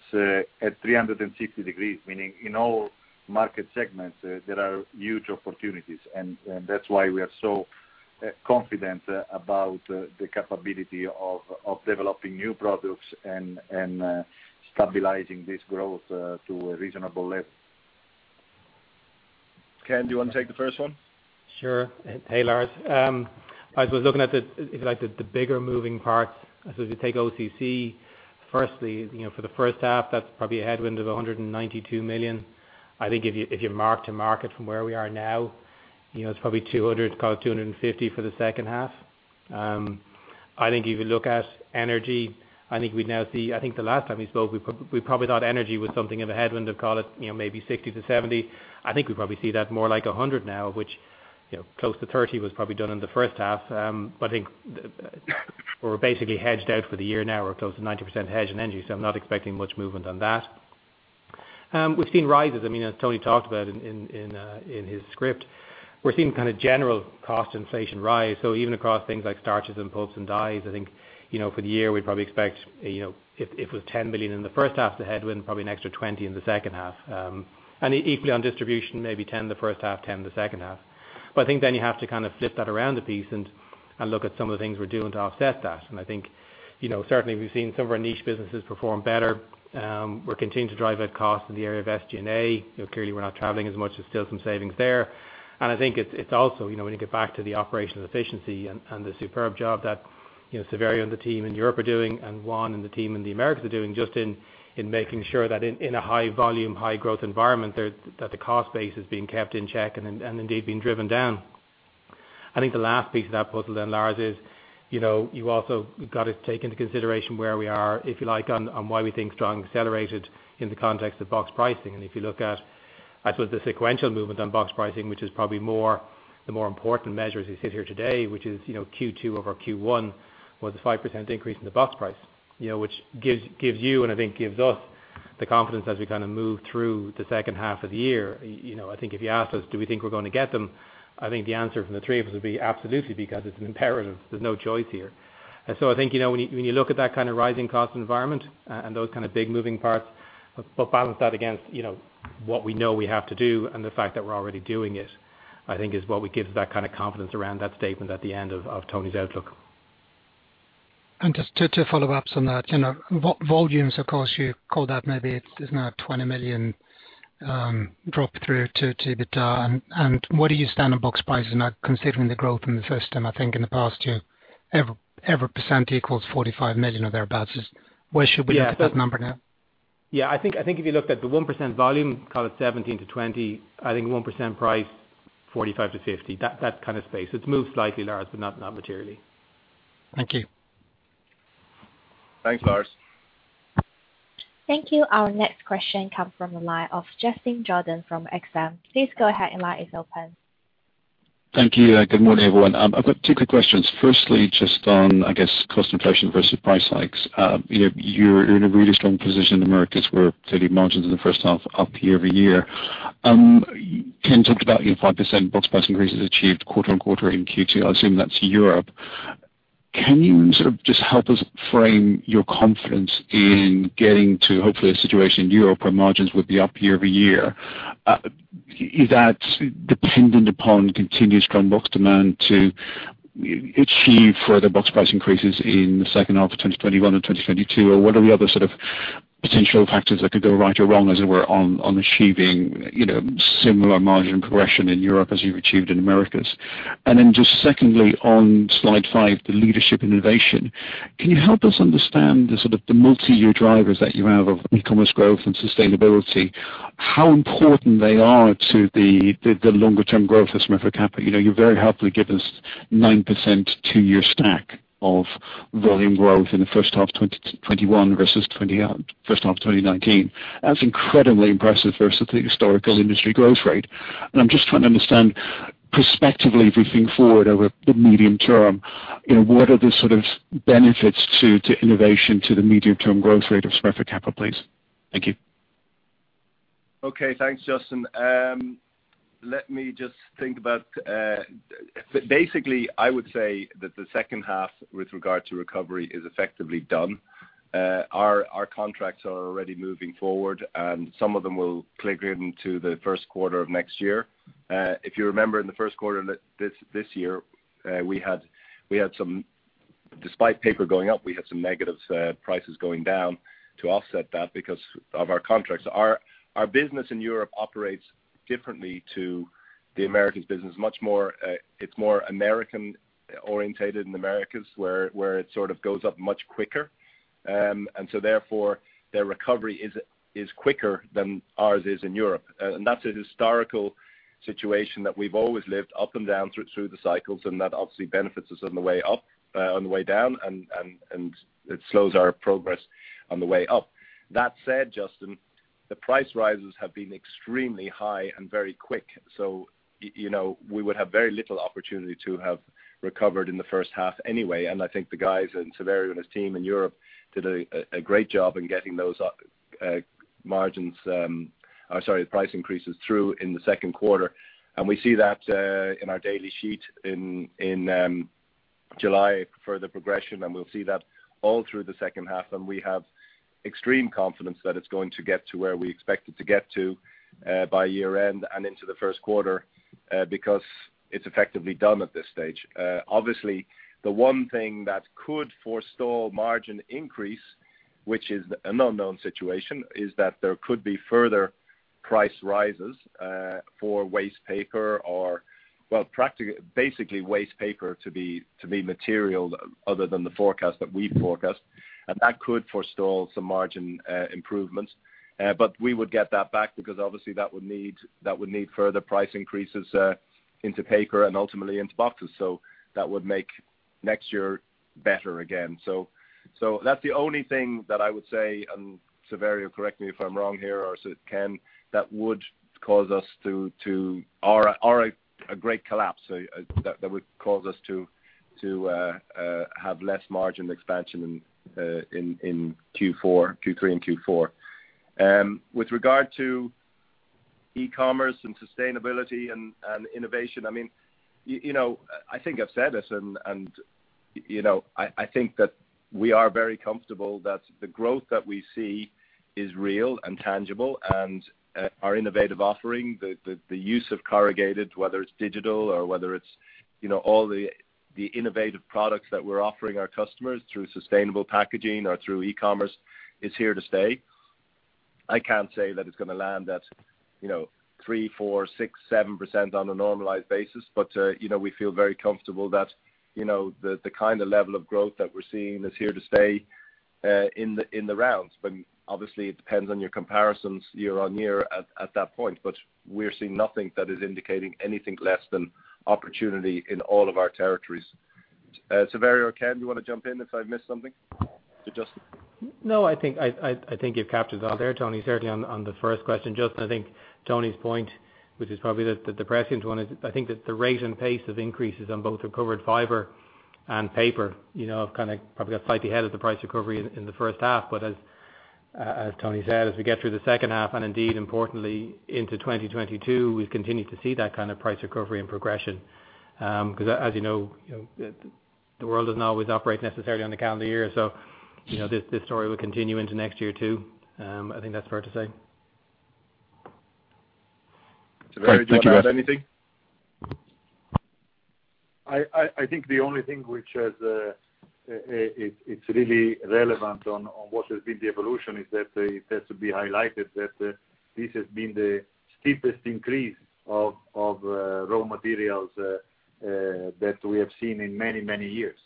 at 360 degrees, meaning in all market segments there are huge opportunities. And that's why we are so confident about the capability of developing new products and stabilizing this growth to a reasonable level. Ken, do you want to take the first one? Sure. Hey, Lars. I was looking at the, if you like, bigger moving parts. So if you take OCC, firstly, you know, for the first half, that's probably a headwind of 192 million. I think if you mark to market from where we are now, you know, it's probably 200, call it 250 for the second half. I think if you look at energy, I think we'd now see. I think the last time we spoke, we probably thought energy was something of a headwind of call it, you know, maybe 60-70. I think we probably see that more like 100 now, which, you know, close to 30 was probably done in the first half. But I think we're basically hedged out for the year now. We're close to 90% hedged in energy, so I'm not expecting much movement on that. We've seen rises, I mean, as Tony talked about in his script, we're seeing kind of general cost inflation rise. So even across things like starches and pulps and dyes, I think, you know, for the year, we'd probably expect, you know, if it was 10 billion in the first half the headwind, probably an extra 20 in the second half, and equally on distribution, maybe 10 the first half, 10 the second half. But I think then you have to kind of flip that around a piece and look at some of the things we're doing to offset that, and I think, you know, certainly we've seen some of our niche businesses perform better. We're continuing to drive out costs in the area of SG&A. You know, clearly, we're not traveling as much. There's still some savings there. And I think it's also, you know, when you get back to the operational efficiency and the superb job that, you know, Saverio and the team in Europe are doing, and Juan and the team in the Americas are doing, just in making sure that in a high volume, high growth environment, that the cost base is being kept in check and indeed being driven down. I think the last piece of that puzzle then, Lars, is, you know, you also got to take into consideration where we are, if you like, on why we think strong accelerated in the context of box pricing. And if you look at, I suppose, the sequential movement on box pricing, which is probably more, the more important measure as we sit here today, which is, you know, Q2 over Q1, was a 5% increase in the box price. You know, which gives, gives you and I think gives us the confidence as we kind of move through the second half of the year. You know, I think if you ask us, do we think we're going to get them? I think the answer from the three of us would be absolutely, because it's imperative. There's no choice here. And so I think, you know, when you look at that kind of rising cost environment and those kind of big moving parts, but balance that against, you know, what we know we have to do and the fact that we're already doing it. I think is what we give that kind of confidence around that statement at the end of Tony's outlook. And just to follow up on that, you know, volumes, of course, you called out maybe it's now 20 million drop through to EBITDA. And what do you stand on box pricing now, considering the growth in the first quarter, I think in the past year, every percent equals 45 million or thereabouts. Where should we look at that number now? Yeah, I think, I think if you looked at the 1% volume, call it 17-20, I think 1% price, 45-50, that kind of space. It's moved slightly, Lars, but not materially. Thank you. Thanks, Lars. Thank you. Our next question comes from the line of Justin Jordan from Exane. Please go ahead, your line is open. Thank you, good morning, everyone. I've got two quick questions. Firstly, just on, I guess, cost inflation versus price hikes. You know, you're, you're in a really strong position in the Americas, where clearly margins in the first half are up year-over-year. Ken talked about, you know, 5% box price increases achieved quarter on quarter in Q2. I assume that's Europe. Can you sort of just help us frame your confidence in getting to, hopefully, a situation in Europe where margins would be up year-over-year? Is that dependent upon continuous strong box demand to achieve further box price increases in the second half of 2021 and 2022? Or what are the other sort of potential factors that could go right or wrong, as it were, on, on achieving, you know, similar margin progression in Europe as you've achieved in Americas? And then just secondly, on slide five, the leadership innovation. Can you help us understand the sort of multi-year drivers that you have of e-commerce growth and sustainability? How important they are to the longer term growth of Smurfit Kappa? You know, you've very helpfully given us 9% two-year stack of volume growth in the first half of 2021 versus first half of twenty nineteen. That's incredibly impressive versus the historical industry growth rate. And I'm just trying to understand, prospectively, if we think forward over the medium term, you know, what are the sort of benefits to innovation to the medium-term growth rate of Smurfit Kappa, please? Thank you. Okay, thanks, Justin. Basically, I would say that the second half with regard to recovery is effectively done. Our contracts are already moving forward, and some of them will click into the first quarter of next year. If you remember, in the first quarter of this year, we had some. Despite paper going up, we had some negative prices going down to offset that because of our contracts. Our business in Europe operates differently to the Americas business. Much more, it's more American-orientated in Americas, where it sort of goes up much quicker. And so therefore, their recovery is quicker than ours is in Europe. And that's a historical situation that we've always lived up and down through, through the cycles, and that obviously benefits us on the way up, on the way down, and it slows our progress on the way up. That said, Justin, the price rises have been extremely high and very quick. So you know, we would have very little opportunity to have recovered in the first half anyway. And I think the guys and Saverio and his team in Europe did a great job in getting those margins, or sorry, price increases through in the second quarter. And we see that in our daily sheet in July for the progression, and we'll see that all through the second half. We have extreme confidence that it's going to get to where we expect it to get to by year end and into the first quarter because it's effectively done at this stage. Obviously, the one thing that could forestall margin increase, which is an unknown situation, is that there could be further price rises for wastepaper or, well, basically wastepaper to be material other than the forecast that we forecast. And that could forestall some margin improvements. But we would get that back because obviously that would need further price increases into paper and ultimately into boxes. So that would make next year better again. So that's the only thing that I would say, and Saverio, correct me if I'm wrong here, or so Ken, that would cause us to, to... Or a great collapse that would cause us to have less margin expansion in Q4, Q3 and Q4. With regard to e-commerce and sustainability and innovation, I mean, you know, I think I've said this, and you know, I think that we are very comfortable that the growth that we see is real and tangible, and our innovative offering, the use of corrugated, whether it's digital or whether it's, you know, all the innovative products that we're offering our customers through sustainable packaging or through e-commerce, is here to stay. I can't say that it's going to land at, you know, 3%, 4%, 6%, 7% on a normalized basis, but, you know, we feel very comfortable that, you know, the kind of level of growth that we're seeing is here to stay. In the rounds, but obviously it depends on your comparisons year-on-year at that point. But we're seeing nothing that is indicating anything less than opportunity in all of our territories. Saverio or Ken, do you want to jump in if I missed something? Or Justin? No, I think you've captured it all there, Tony, certainly on the first question. Justin, I think Tony's point, which is probably the depressing one, is I think that the rate and pace of increases on both recovered fiber and paper, you know, have kind of probably got slightly ahead of the price recovery in the first half. But as Tony said, as we get through the second half, and indeed importantly, into 2022, we've continued to see that kind of price recovery and progression. I think that's fair to say. Saverio, do you want to add anything? I think the only thing which is really relevant on what has been the evolution is that it has to be highlighted that this has been the steepest increase of raw materials that we have seen in many, many years,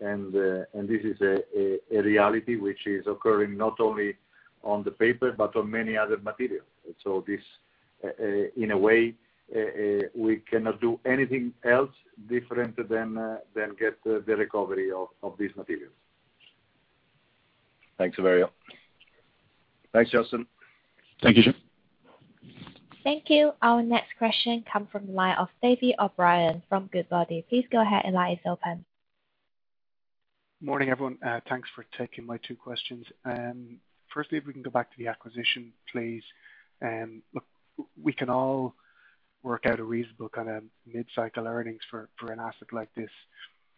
and this is a reality which is occurring not only on the paper, but on many other materials, so in a way we cannot do anything else different than get the recovery of these materials. Thanks, Saverio. Thanks, Justin. Thank you, sir. Thank you. Our next question comes from the line of David O'Brien from Goodbody. Please go ahead, your line is open. Morning, everyone. Thanks for taking my two questions. Firstly, if we can go back to the acquisition, please. Look, we can all work out a reasonable kind of mid-cycle earnings for an asset like this,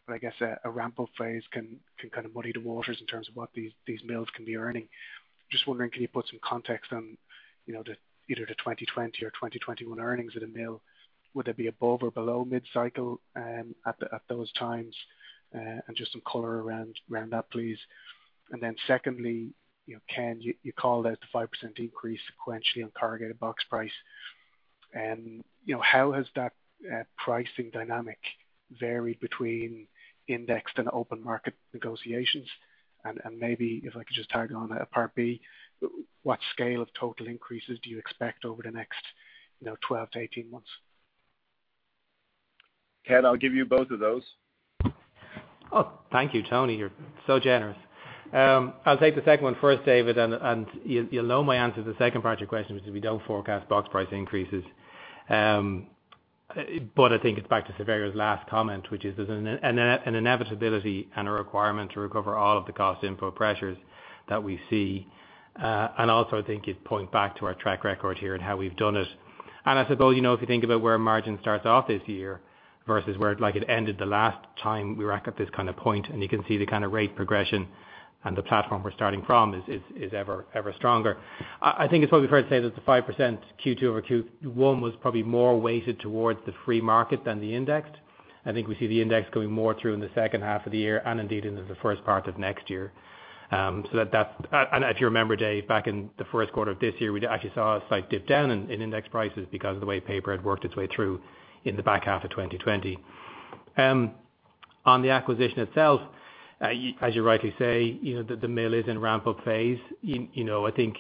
but I guess a ramp-up phase can kind of muddy the waters in terms of what these mills can be earning. Just wondering, can you put some context on, you know, the either the 2020 or 2021 earnings of the mill? Would they be above or below mid-cycle at those times? And just some color around that, please. And then secondly, you know, Ken, you called out the 5% increase sequentially on corrugated box price. And you know, how has that pricing dynamic varied between indexed and open market negotiations? Maybe if I could just tag on a part B, what scale of total increases do you expect over the next, you know, 12-18 months? Ken, I'll give you both of those. Oh, thank you, Tony. You're so generous. I'll take the second one first, David, and you know my answer to the second part of your question, which is we don't forecast box price increases, but I think it's back to Saverio's last comment, which is there's an inevitability and a requirement to recover all of the cost input pressures that we see, and also I think it points back to our track record here and how we've done it, and I suppose you know, if you think about where our margin starts off this year versus where, like, it ended the last time we were at this kind of point, and you can see the kind of rate progression and the platform we're starting from is ever stronger. I think it's probably fair to say that the 5% Q2 over Q1 was probably more weighted towards the free market than the indexed. I think we see the index going more through in the second half of the year and indeed into the first part of next year. And if you remember, Dave, back in the first quarter of this year, we actually saw a slight dip down in index prices because of the way paper had worked its way through in the back half of 2020. On the acquisition itself, as you rightly say, you know, the mill is in ramp-up phase. You know, I think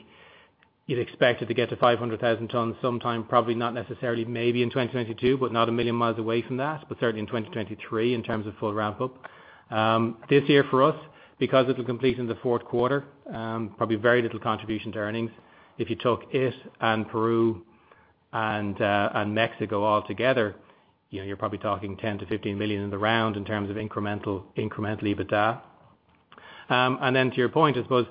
you'd expect it to get to 500,000 tons sometime, probably not necessarily, maybe in 2022, but not a million miles away from that, but certainly in 2023 in terms of full ramp-up. This year for us, because it'll complete in the fourth quarter, probably very little contribution to earnings. If you took it and Peru and Mexico all together, you know, you're probably talking 10 million-15 million in the round in terms of incremental EBITDA. And then to your point, I suppose,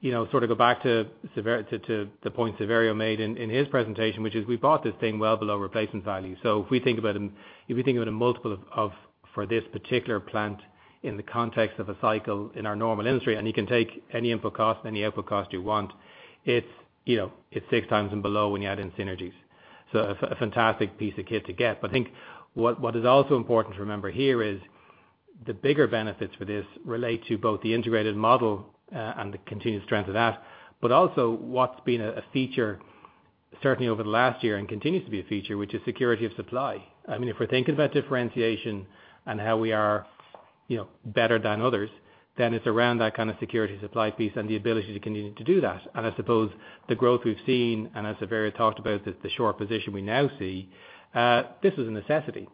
you know, sort of go back to the point Saverio made in his presentation, which is we bought this thing well below replacement value. So if we think about a multiple of for this particular plant in the context of a cycle in our normal industry, and you can take any input cost, any output cost you want, it's you know it's six times and below when you add in synergies. So a fantastic piece of kit to get. But I think what is also important to remember here is the bigger benefits for this relate to both the integrated model and the continued strength of that, but also what's been a feature, certainly over the last year and continues to be a feature, which is security of supply. I mean, if we're thinking about differentiation and how we are you know better than others, then it's around that kind of security supply piece and the ability to continue to do that. I suppose the growth we've seen, and as Saverio talked about, the short position we now see, this is a necessity.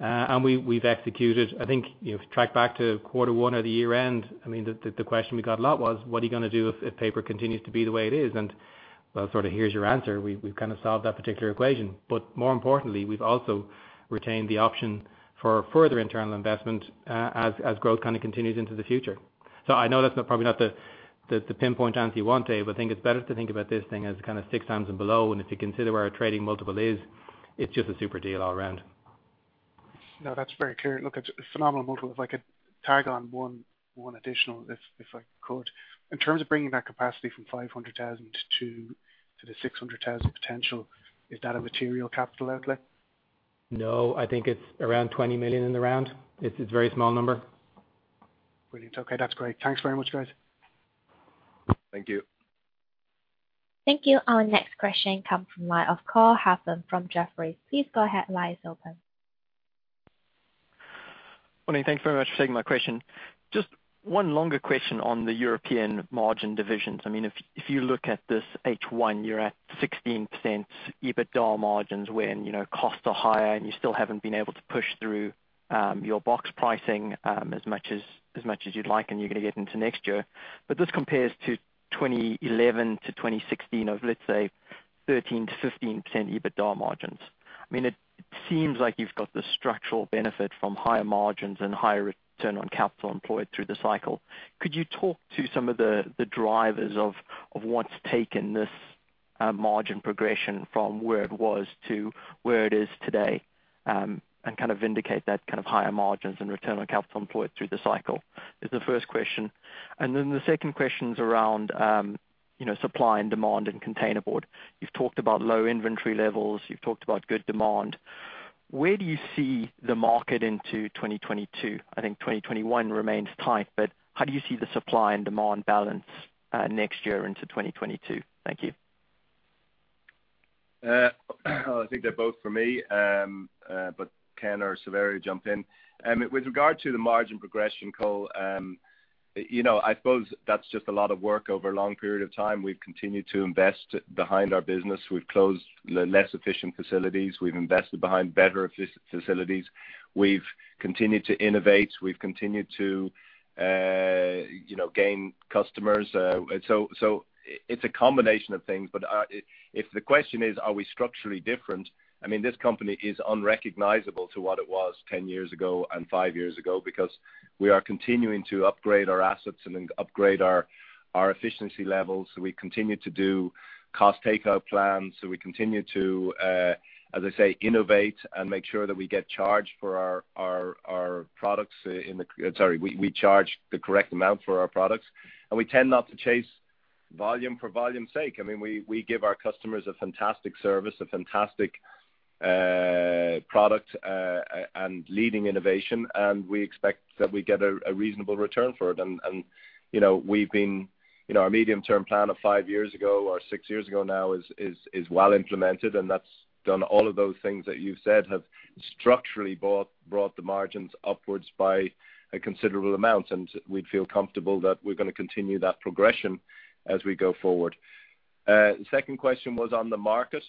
And we, we've executed. I think, you know, if you track back to quarter one or the year-end, I mean, the question we got a lot was: What are you gonna do if paper continues to be the way it is? And, well, sort of, here's your answer. We, we've kind of solved that particular equation, but more importantly, we've also retained the option for further internal investment, as growth kind of continues into the future. So I know that's not probably not the pinpoint answer you want, Dave, but I think it's better to think about this thing as kind of six times and below. If you consider where our trading multiple is, it's just a super deal all around. No, that's very clear. Look, it's a phenomenal multiple. If I could tag on one additional, if I could. In terms of bringing that capacity from 500,000 to the 600,000 potential, is that a material capital outlay? No, I think it's around 20 million in the round. It's a very small number. Brilliant. Okay, that's great. Thanks very much, guys. Thank you. Thank you. Our next question comes from the line of Cole Hathorn from Jefferies. Please go ahead, the line is open.... Morning, thanks very much for taking my question. Just one longer question on the European margin divisions. I mean, if you look at this H1, you're at 16% EBITDA margins when, you know, costs are higher, and you still haven't been able to push through your box pricing as much as you'd like, and you're gonna get into next year. But this compares to 2011 to 2016 of, let's say, 13%-15% EBITDA margins. I mean, it seems like you've got this structural benefit from higher margins and higher return on capital employed through the cycle. Could you talk to some of the drivers of what's taken this margin progression from where it was to where it is today? Kind of indicate that kind of higher margins and return on capital employed through the cycle is the first question. And then the second question's around, you know, supply and demand in containerboard. You've talked about low inventory levels. You've talked about good demand. Where do you see the market into 2022? I think 2021 remains tight, but how do you see the supply and demand balance next year into 2022? Thank you. I think they're both for me, but Ken or Saverio jump in. With regard to the margin progression, Cole, you know, I suppose that's just a lot of work over a long period of time. We've continued to invest behind our business. We've closed less efficient facilities. We've invested behind better facilities. We've continued to innovate, we've continued to, you know, gain customers. So, it's a combination of things, but, if the question is, are we structurally different? I mean, this company is unrecognizable to what it was ten years ago and five years ago, because we are continuing to upgrade our assets and then upgrade our efficiency levels. So we continue to do cost takeout plans, so we continue to, as I say, innovate and make sure that we get charged for our products. Sorry, we charge the correct amount for our products, and we tend not to chase volume for volume's sake. I mean, we give our customers a fantastic service, a fantastic product, and leading innovation, and we expect that we get a reasonable return for it. And, you know, we've been, you know, our medium-term plan of five years ago, or six years ago now, is well implemented, and that's done all of those things that you've said have structurally brought the margins upwards by a considerable amount. And we'd feel comfortable that we're gonna continue that progression as we go forward. The second question was on the market.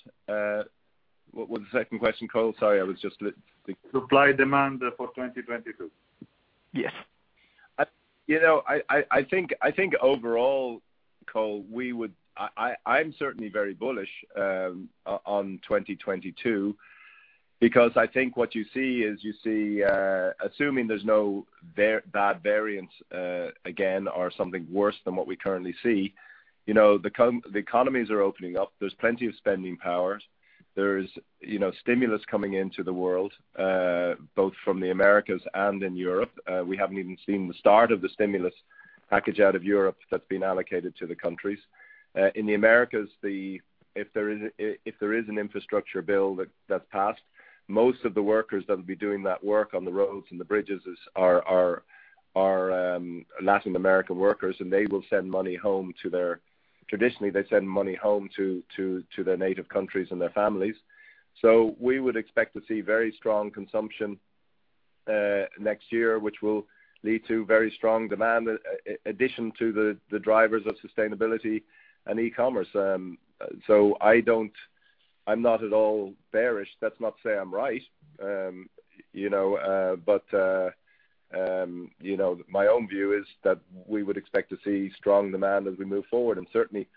What, what's the second question, Cole? Sorry, I was just Supply demand for 2022. Yes. You know, I think overall, Cole, we would... I'm certainly very bullish on 2022, because I think what you see is, you see, assuming there's no bad variants, again, or something worse than what we currently see, you know, the economies are opening up. There's plenty of spending powers. There's, you know, stimulus coming into the world, both from the Americas and in Europe. We haven't even seen the start of the stimulus package out of Europe that's been allocated to the countries. In the Americas, if there is an infrastructure bill that's passed, most of the workers that'll be doing that work on the roads and the bridges are Latin American workers, and they will send money home to their... Traditionally, they send money home to their native countries and their families. So we would expect to see very strong consumption next year, which will lead to very strong demand in addition to the drivers of sustainability and e-commerce. So I'm not at all bearish. That's not to say I'm right, you know, but you know, my own view is that we would expect to see strong demand as we move forward. Certainly,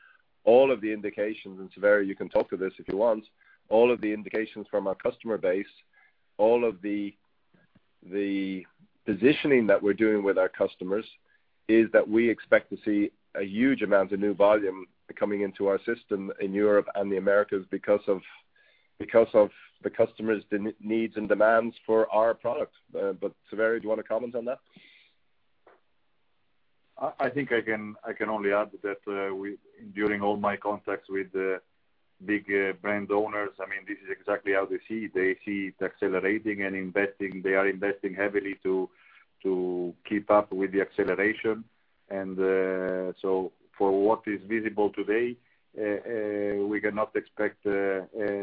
all of the indications, and Saverio, you can talk to this if you want, all of the indications from our customer base, all of the positioning that we're doing with our customers, is that we expect to see a huge amount of new volume coming into our system in Europe and the Americas because of the customers' destocking needs and demands for our product. But Saverio, do you wanna comment on that? I think I can only add that during all my contacts with the big brand owners, I mean, this is exactly how they see it. They see it accelerating and investing. They are investing heavily to keep up with the acceleration, and so for what is visible today, we cannot expect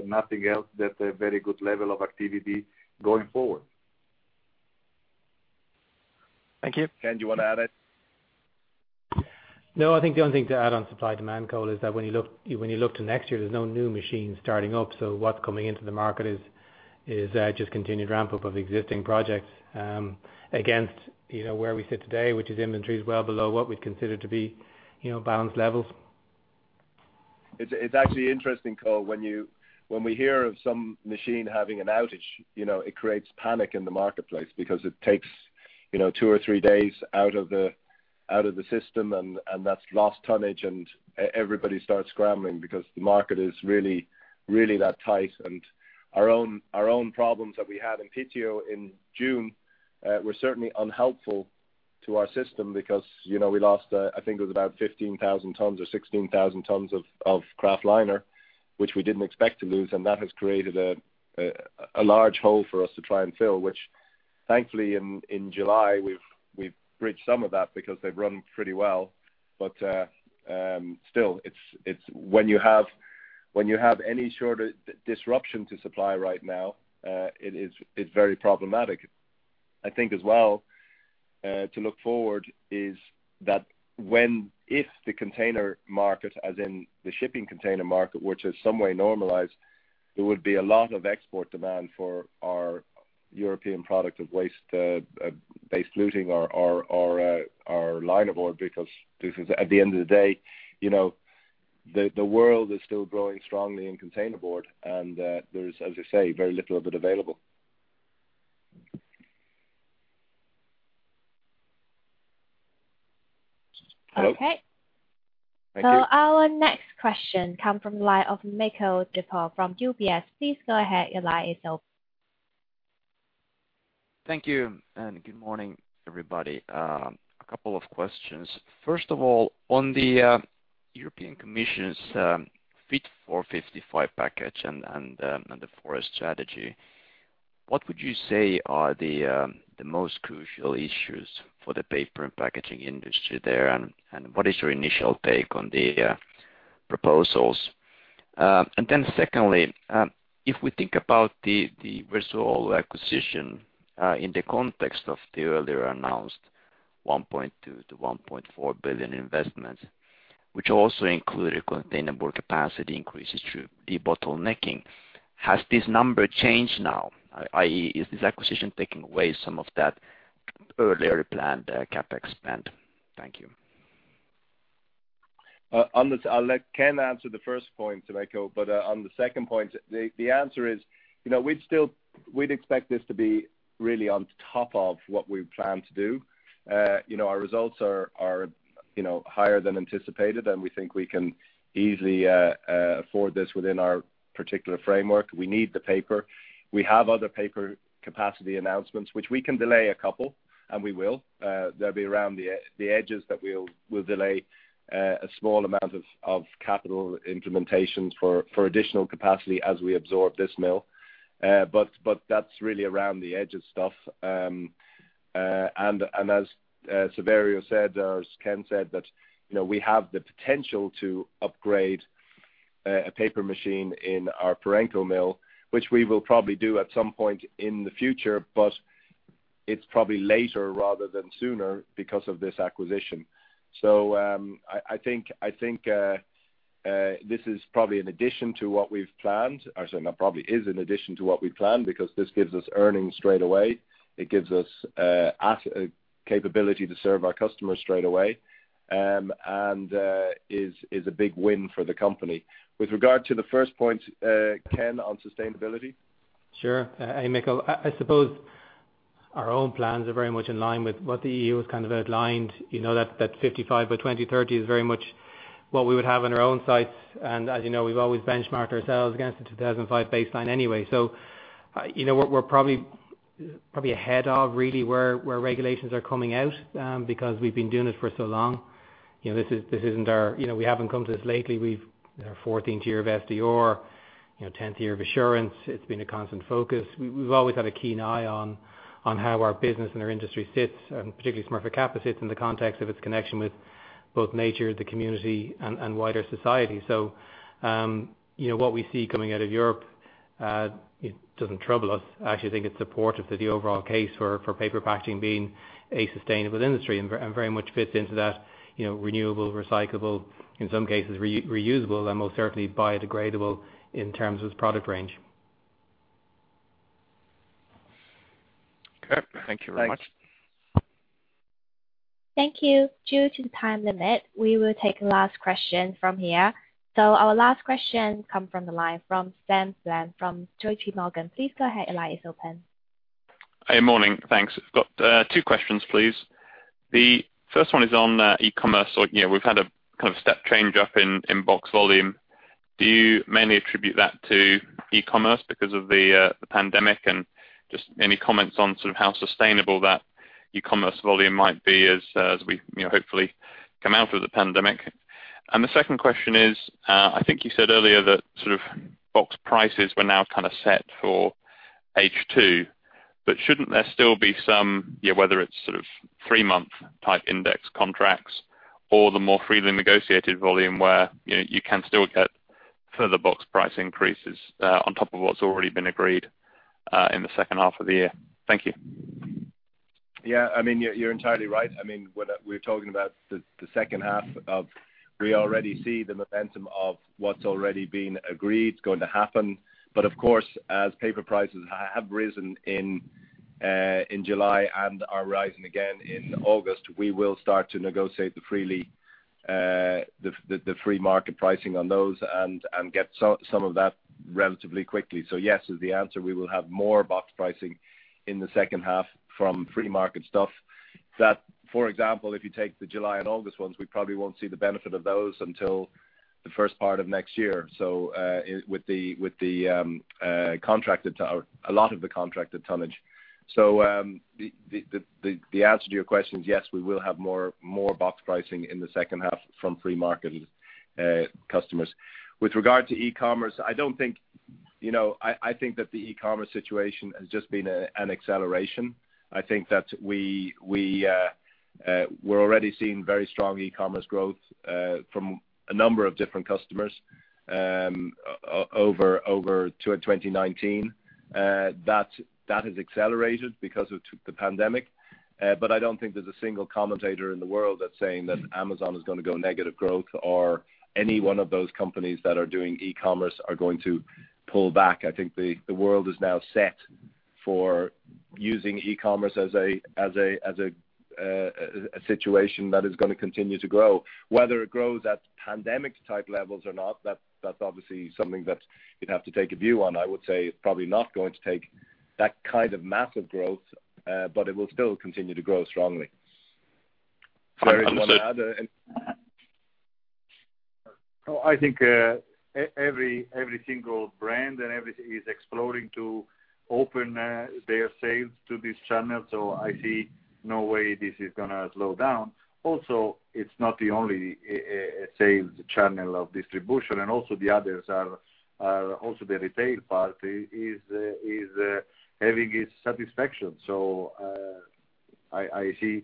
nothing else than a very good level of activity going forward. Thank you. Ken, do you wanna add it? No, I think the only thing to add on supply-demand, Cole, is that when you look to next year, there's no new machines starting up, so what's coming into the market is just continued ramp-up of existing projects, against, you know, where we sit today, which is inventory is well below what we'd consider to be, you know, balanced levels. It's actually interesting, Cole, when we hear of some machine having an outage, you know, it creates panic in the marketplace because it takes, you know, two or three days out of the system, and that's lost tonnage, and everybody starts scrambling because the market is really, really that tight, and our own problems that we had in Piteå in June were certainly unhelpful to our system because, you know, we lost, I think it was about 15,000 tons or 16,000 tons of kraftliner, which we didn't expect to lose, and that has created a large hole for us to try and fill, which thankfully in July, we've bridged some of that because they've run pretty well. But still, it's when you have any shorter disruption to supply right now, it is very problematic. I think as well to look forward is that when if the container market, as in the shipping container market, which is somewhat normalized, there would be a lot of export demand for our European product of waste-based testliner or our linerboard, because this is at the end of the day, you know, the world is still growing strongly in containerboard, and there's as I say very little of it available. Hello? Okay. Thank you. So our next question comes from the line of Mikael Doepel from UBS. Please go ahead, your line is open. Thank you, and good morning, everybody. A couple of questions. First of all, on the European Commission's Fit for 55 package and the forest strategy, what would you say are the most crucial issues for the paper and packaging industry there? And what is your initial take on the proposals? And then secondly, if we think about the Verzuolo acquisition in the context of the earlier announced 1.2 billion-1.4 billion investment, which also included containerboard capacity increases through debottlenecking, has this number changed now? I.e., is this acquisition taking away some of that earlier planned CapEx spend? Thank you. On the first point, I'll let Ken answer, Mikael, but on the second point, the answer is: you know, we'd expect this to be really on top of what we plan to do. You know, our results are higher than anticipated, and we think we can easily afford this within our particular framework. We need the paper. We have other paper capacity announcements, which we can delay a couple, and we will. They'll be around the edges that we'll delay a small amount of capital implementations for additional capacity as we absorb this mill. But that's really around the edge of stuff. And as Saverio said, or as Ken said, that, you know, we have the potential to upgrade a paper machine in our Parenco mill, which we will probably do at some point in the future, but it's probably later rather than sooner because of this acquisition. So, I think this is probably in addition to what we've planned, or sorry, not probably, is in addition to what we planned, because this gives us earnings straight away. It gives us a capability to serve our customers straight away, and is a big win for the company. With regard to the first point, Ken, on sustainability. Sure. Hey, Mikael. I suppose our own plans are very much in line with what the EU has kind of outlined. You know, that fifty-five by twenty thirty is very much what we would have on our own sites, and as you know, we've always benchmarked ourselves against the two thousand and five baseline anyway. So, you know, what we're probably ahead of really where regulations are coming out, because we've been doing it for so long. You know, this isn't our. You know, we haven't come to this lately. We've our fourteenth year of SDR, you know, tenth year of assurance. It's been a constant focus. We've always had a keen eye on how our business and our industry sits, and particularly Smurfit Kappa sits in the context of its connection with both nature, the community, and wider society. So, you know, what we see coming out of Europe, it doesn't trouble us. I actually think it's supportive to the overall case for paper packaging being a sustainable industry and very much fits into that, you know, renewable, recyclable, in some cases, reusable, and most certainly biodegradable in terms of its product range. Okay. Thank you very much. Thanks. Thank you. Due to the time limit, we will take the last question from here. So our last question come from the line from Sam Bland from JPMorgan. Please go ahead, your line is open. Hey, morning. Thanks. I've got two questions, please. The first one is on e-commerce, or, you know, we've had a kind of step change up in box volume. Do you mainly attribute that to e-commerce because of the pandemic? And just any comments on sort of how sustainable that e-commerce volume might be as we, you know, hopefully come out of the pandemic. And the second question is, I think you said earlier that sort of box prices were now kind of set for H2, but shouldn't there still be some, you know, whether it's sort of three-month type index contracts or the more freely negotiated volume where, you know, you can still get further box price increases on top of what's already been agreed in the second half of the year? Thank you. Yeah, I mean, you're entirely right. I mean, when we're talking about the second half of... We already see the momentum of what's already been agreed, it's going to happen. But of course, as paper prices have risen in July and are rising again in August, we will start to negotiate the free market pricing on those and get some of that relatively quickly. So yes, is the answer. We will have more box pricing in the second half from free market stuff. That, for example, if you take the July and August ones, we probably won't see the benefit of those until the first part of next year, so, with the contracted to a lot of the contracted tonnage. The answer to your question is yes, we will have more box pricing in the second half from free market customers. With regard to e-commerce, I don't think. You know, I think that the e-commerce situation has just been an acceleration. I think that we're already seeing very strong e-commerce growth from a number of different customers over to 2019. That has accelerated because of the pandemic. But I don't think there's a single commentator in the world that's saying that Amazon is gonna go negative growth or any one of those companies that are doing e-commerce are going to pull back. I think the world is now set for using e-commerce as a situation that is gonna continue to grow. Whether it grows at pandemic-type levels or not, that, that's obviously something that you'd have to take a view on. I would say it's probably not going to take that kind of massive growth, but it will still continue to grow strongly. Is there anyone other? Well, I think every single brand and every is exploring to open their sales to this channel, so I see no way this is gonna slow down. Also, it's not the only sales channel of distribution, and also the others are also the retail part is having its satisfaction. So I see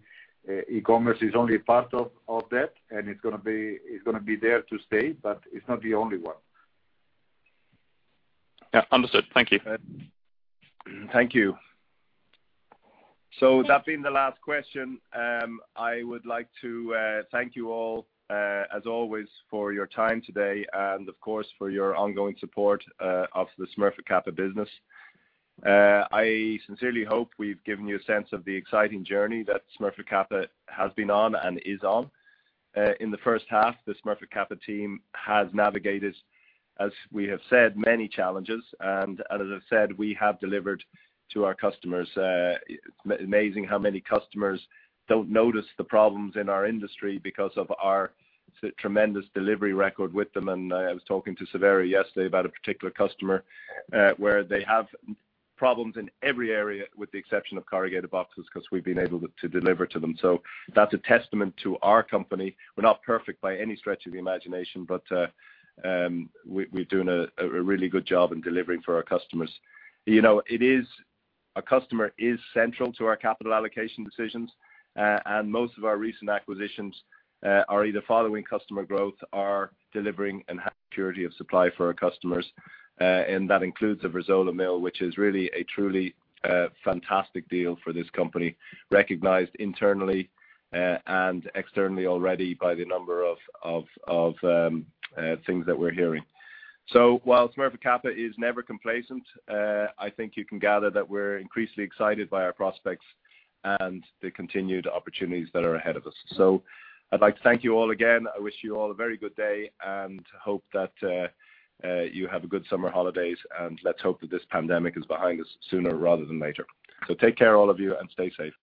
e-commerce is only part of that, and it's gonna be there to stay, but it's not the only one. Yeah, understood. Thank you. Thank you. So that being the last question, I would like to thank you all, as always, for your time today and, of course, for your ongoing support of the Smurfit Kappa business. I sincerely hope we've given you a sense of the exciting journey that Smurfit Kappa has been on and is on. In the first half, the Smurfit Kappa team has navigated, as we have said, many challenges, and as I've said, we have delivered to our customers. Amazing how many customers don't notice the problems in our industry because of our tremendous delivery record with them, and I was talking to Saverio yesterday about a particular customer, where they have problems in every area with the exception of corrugated boxes, 'cause we've been able to deliver to them. So that's a testament to our company. We're not perfect by any stretch of the imagination, but we're doing a really good job in delivering for our customers. You know, the customer is central to our capital allocation decisions, and most of our recent acquisitions are either following customer growth or delivering security of supply for our customers. And that includes the Verzuolo mill, which is really truly a fantastic deal for this company, recognized internally and externally already by the number of things that we're hearing. So while Smurfit Kappa is never complacent, I think you can gather that we're increasingly excited by our prospects and the continued opportunities that are ahead of us. So I'd like to thank you all again. I wish you all a very good day, and hope that you have a good summer holidays, and let's hope that this pandemic is behind us sooner rather than later. So take care, all of you, and stay safe.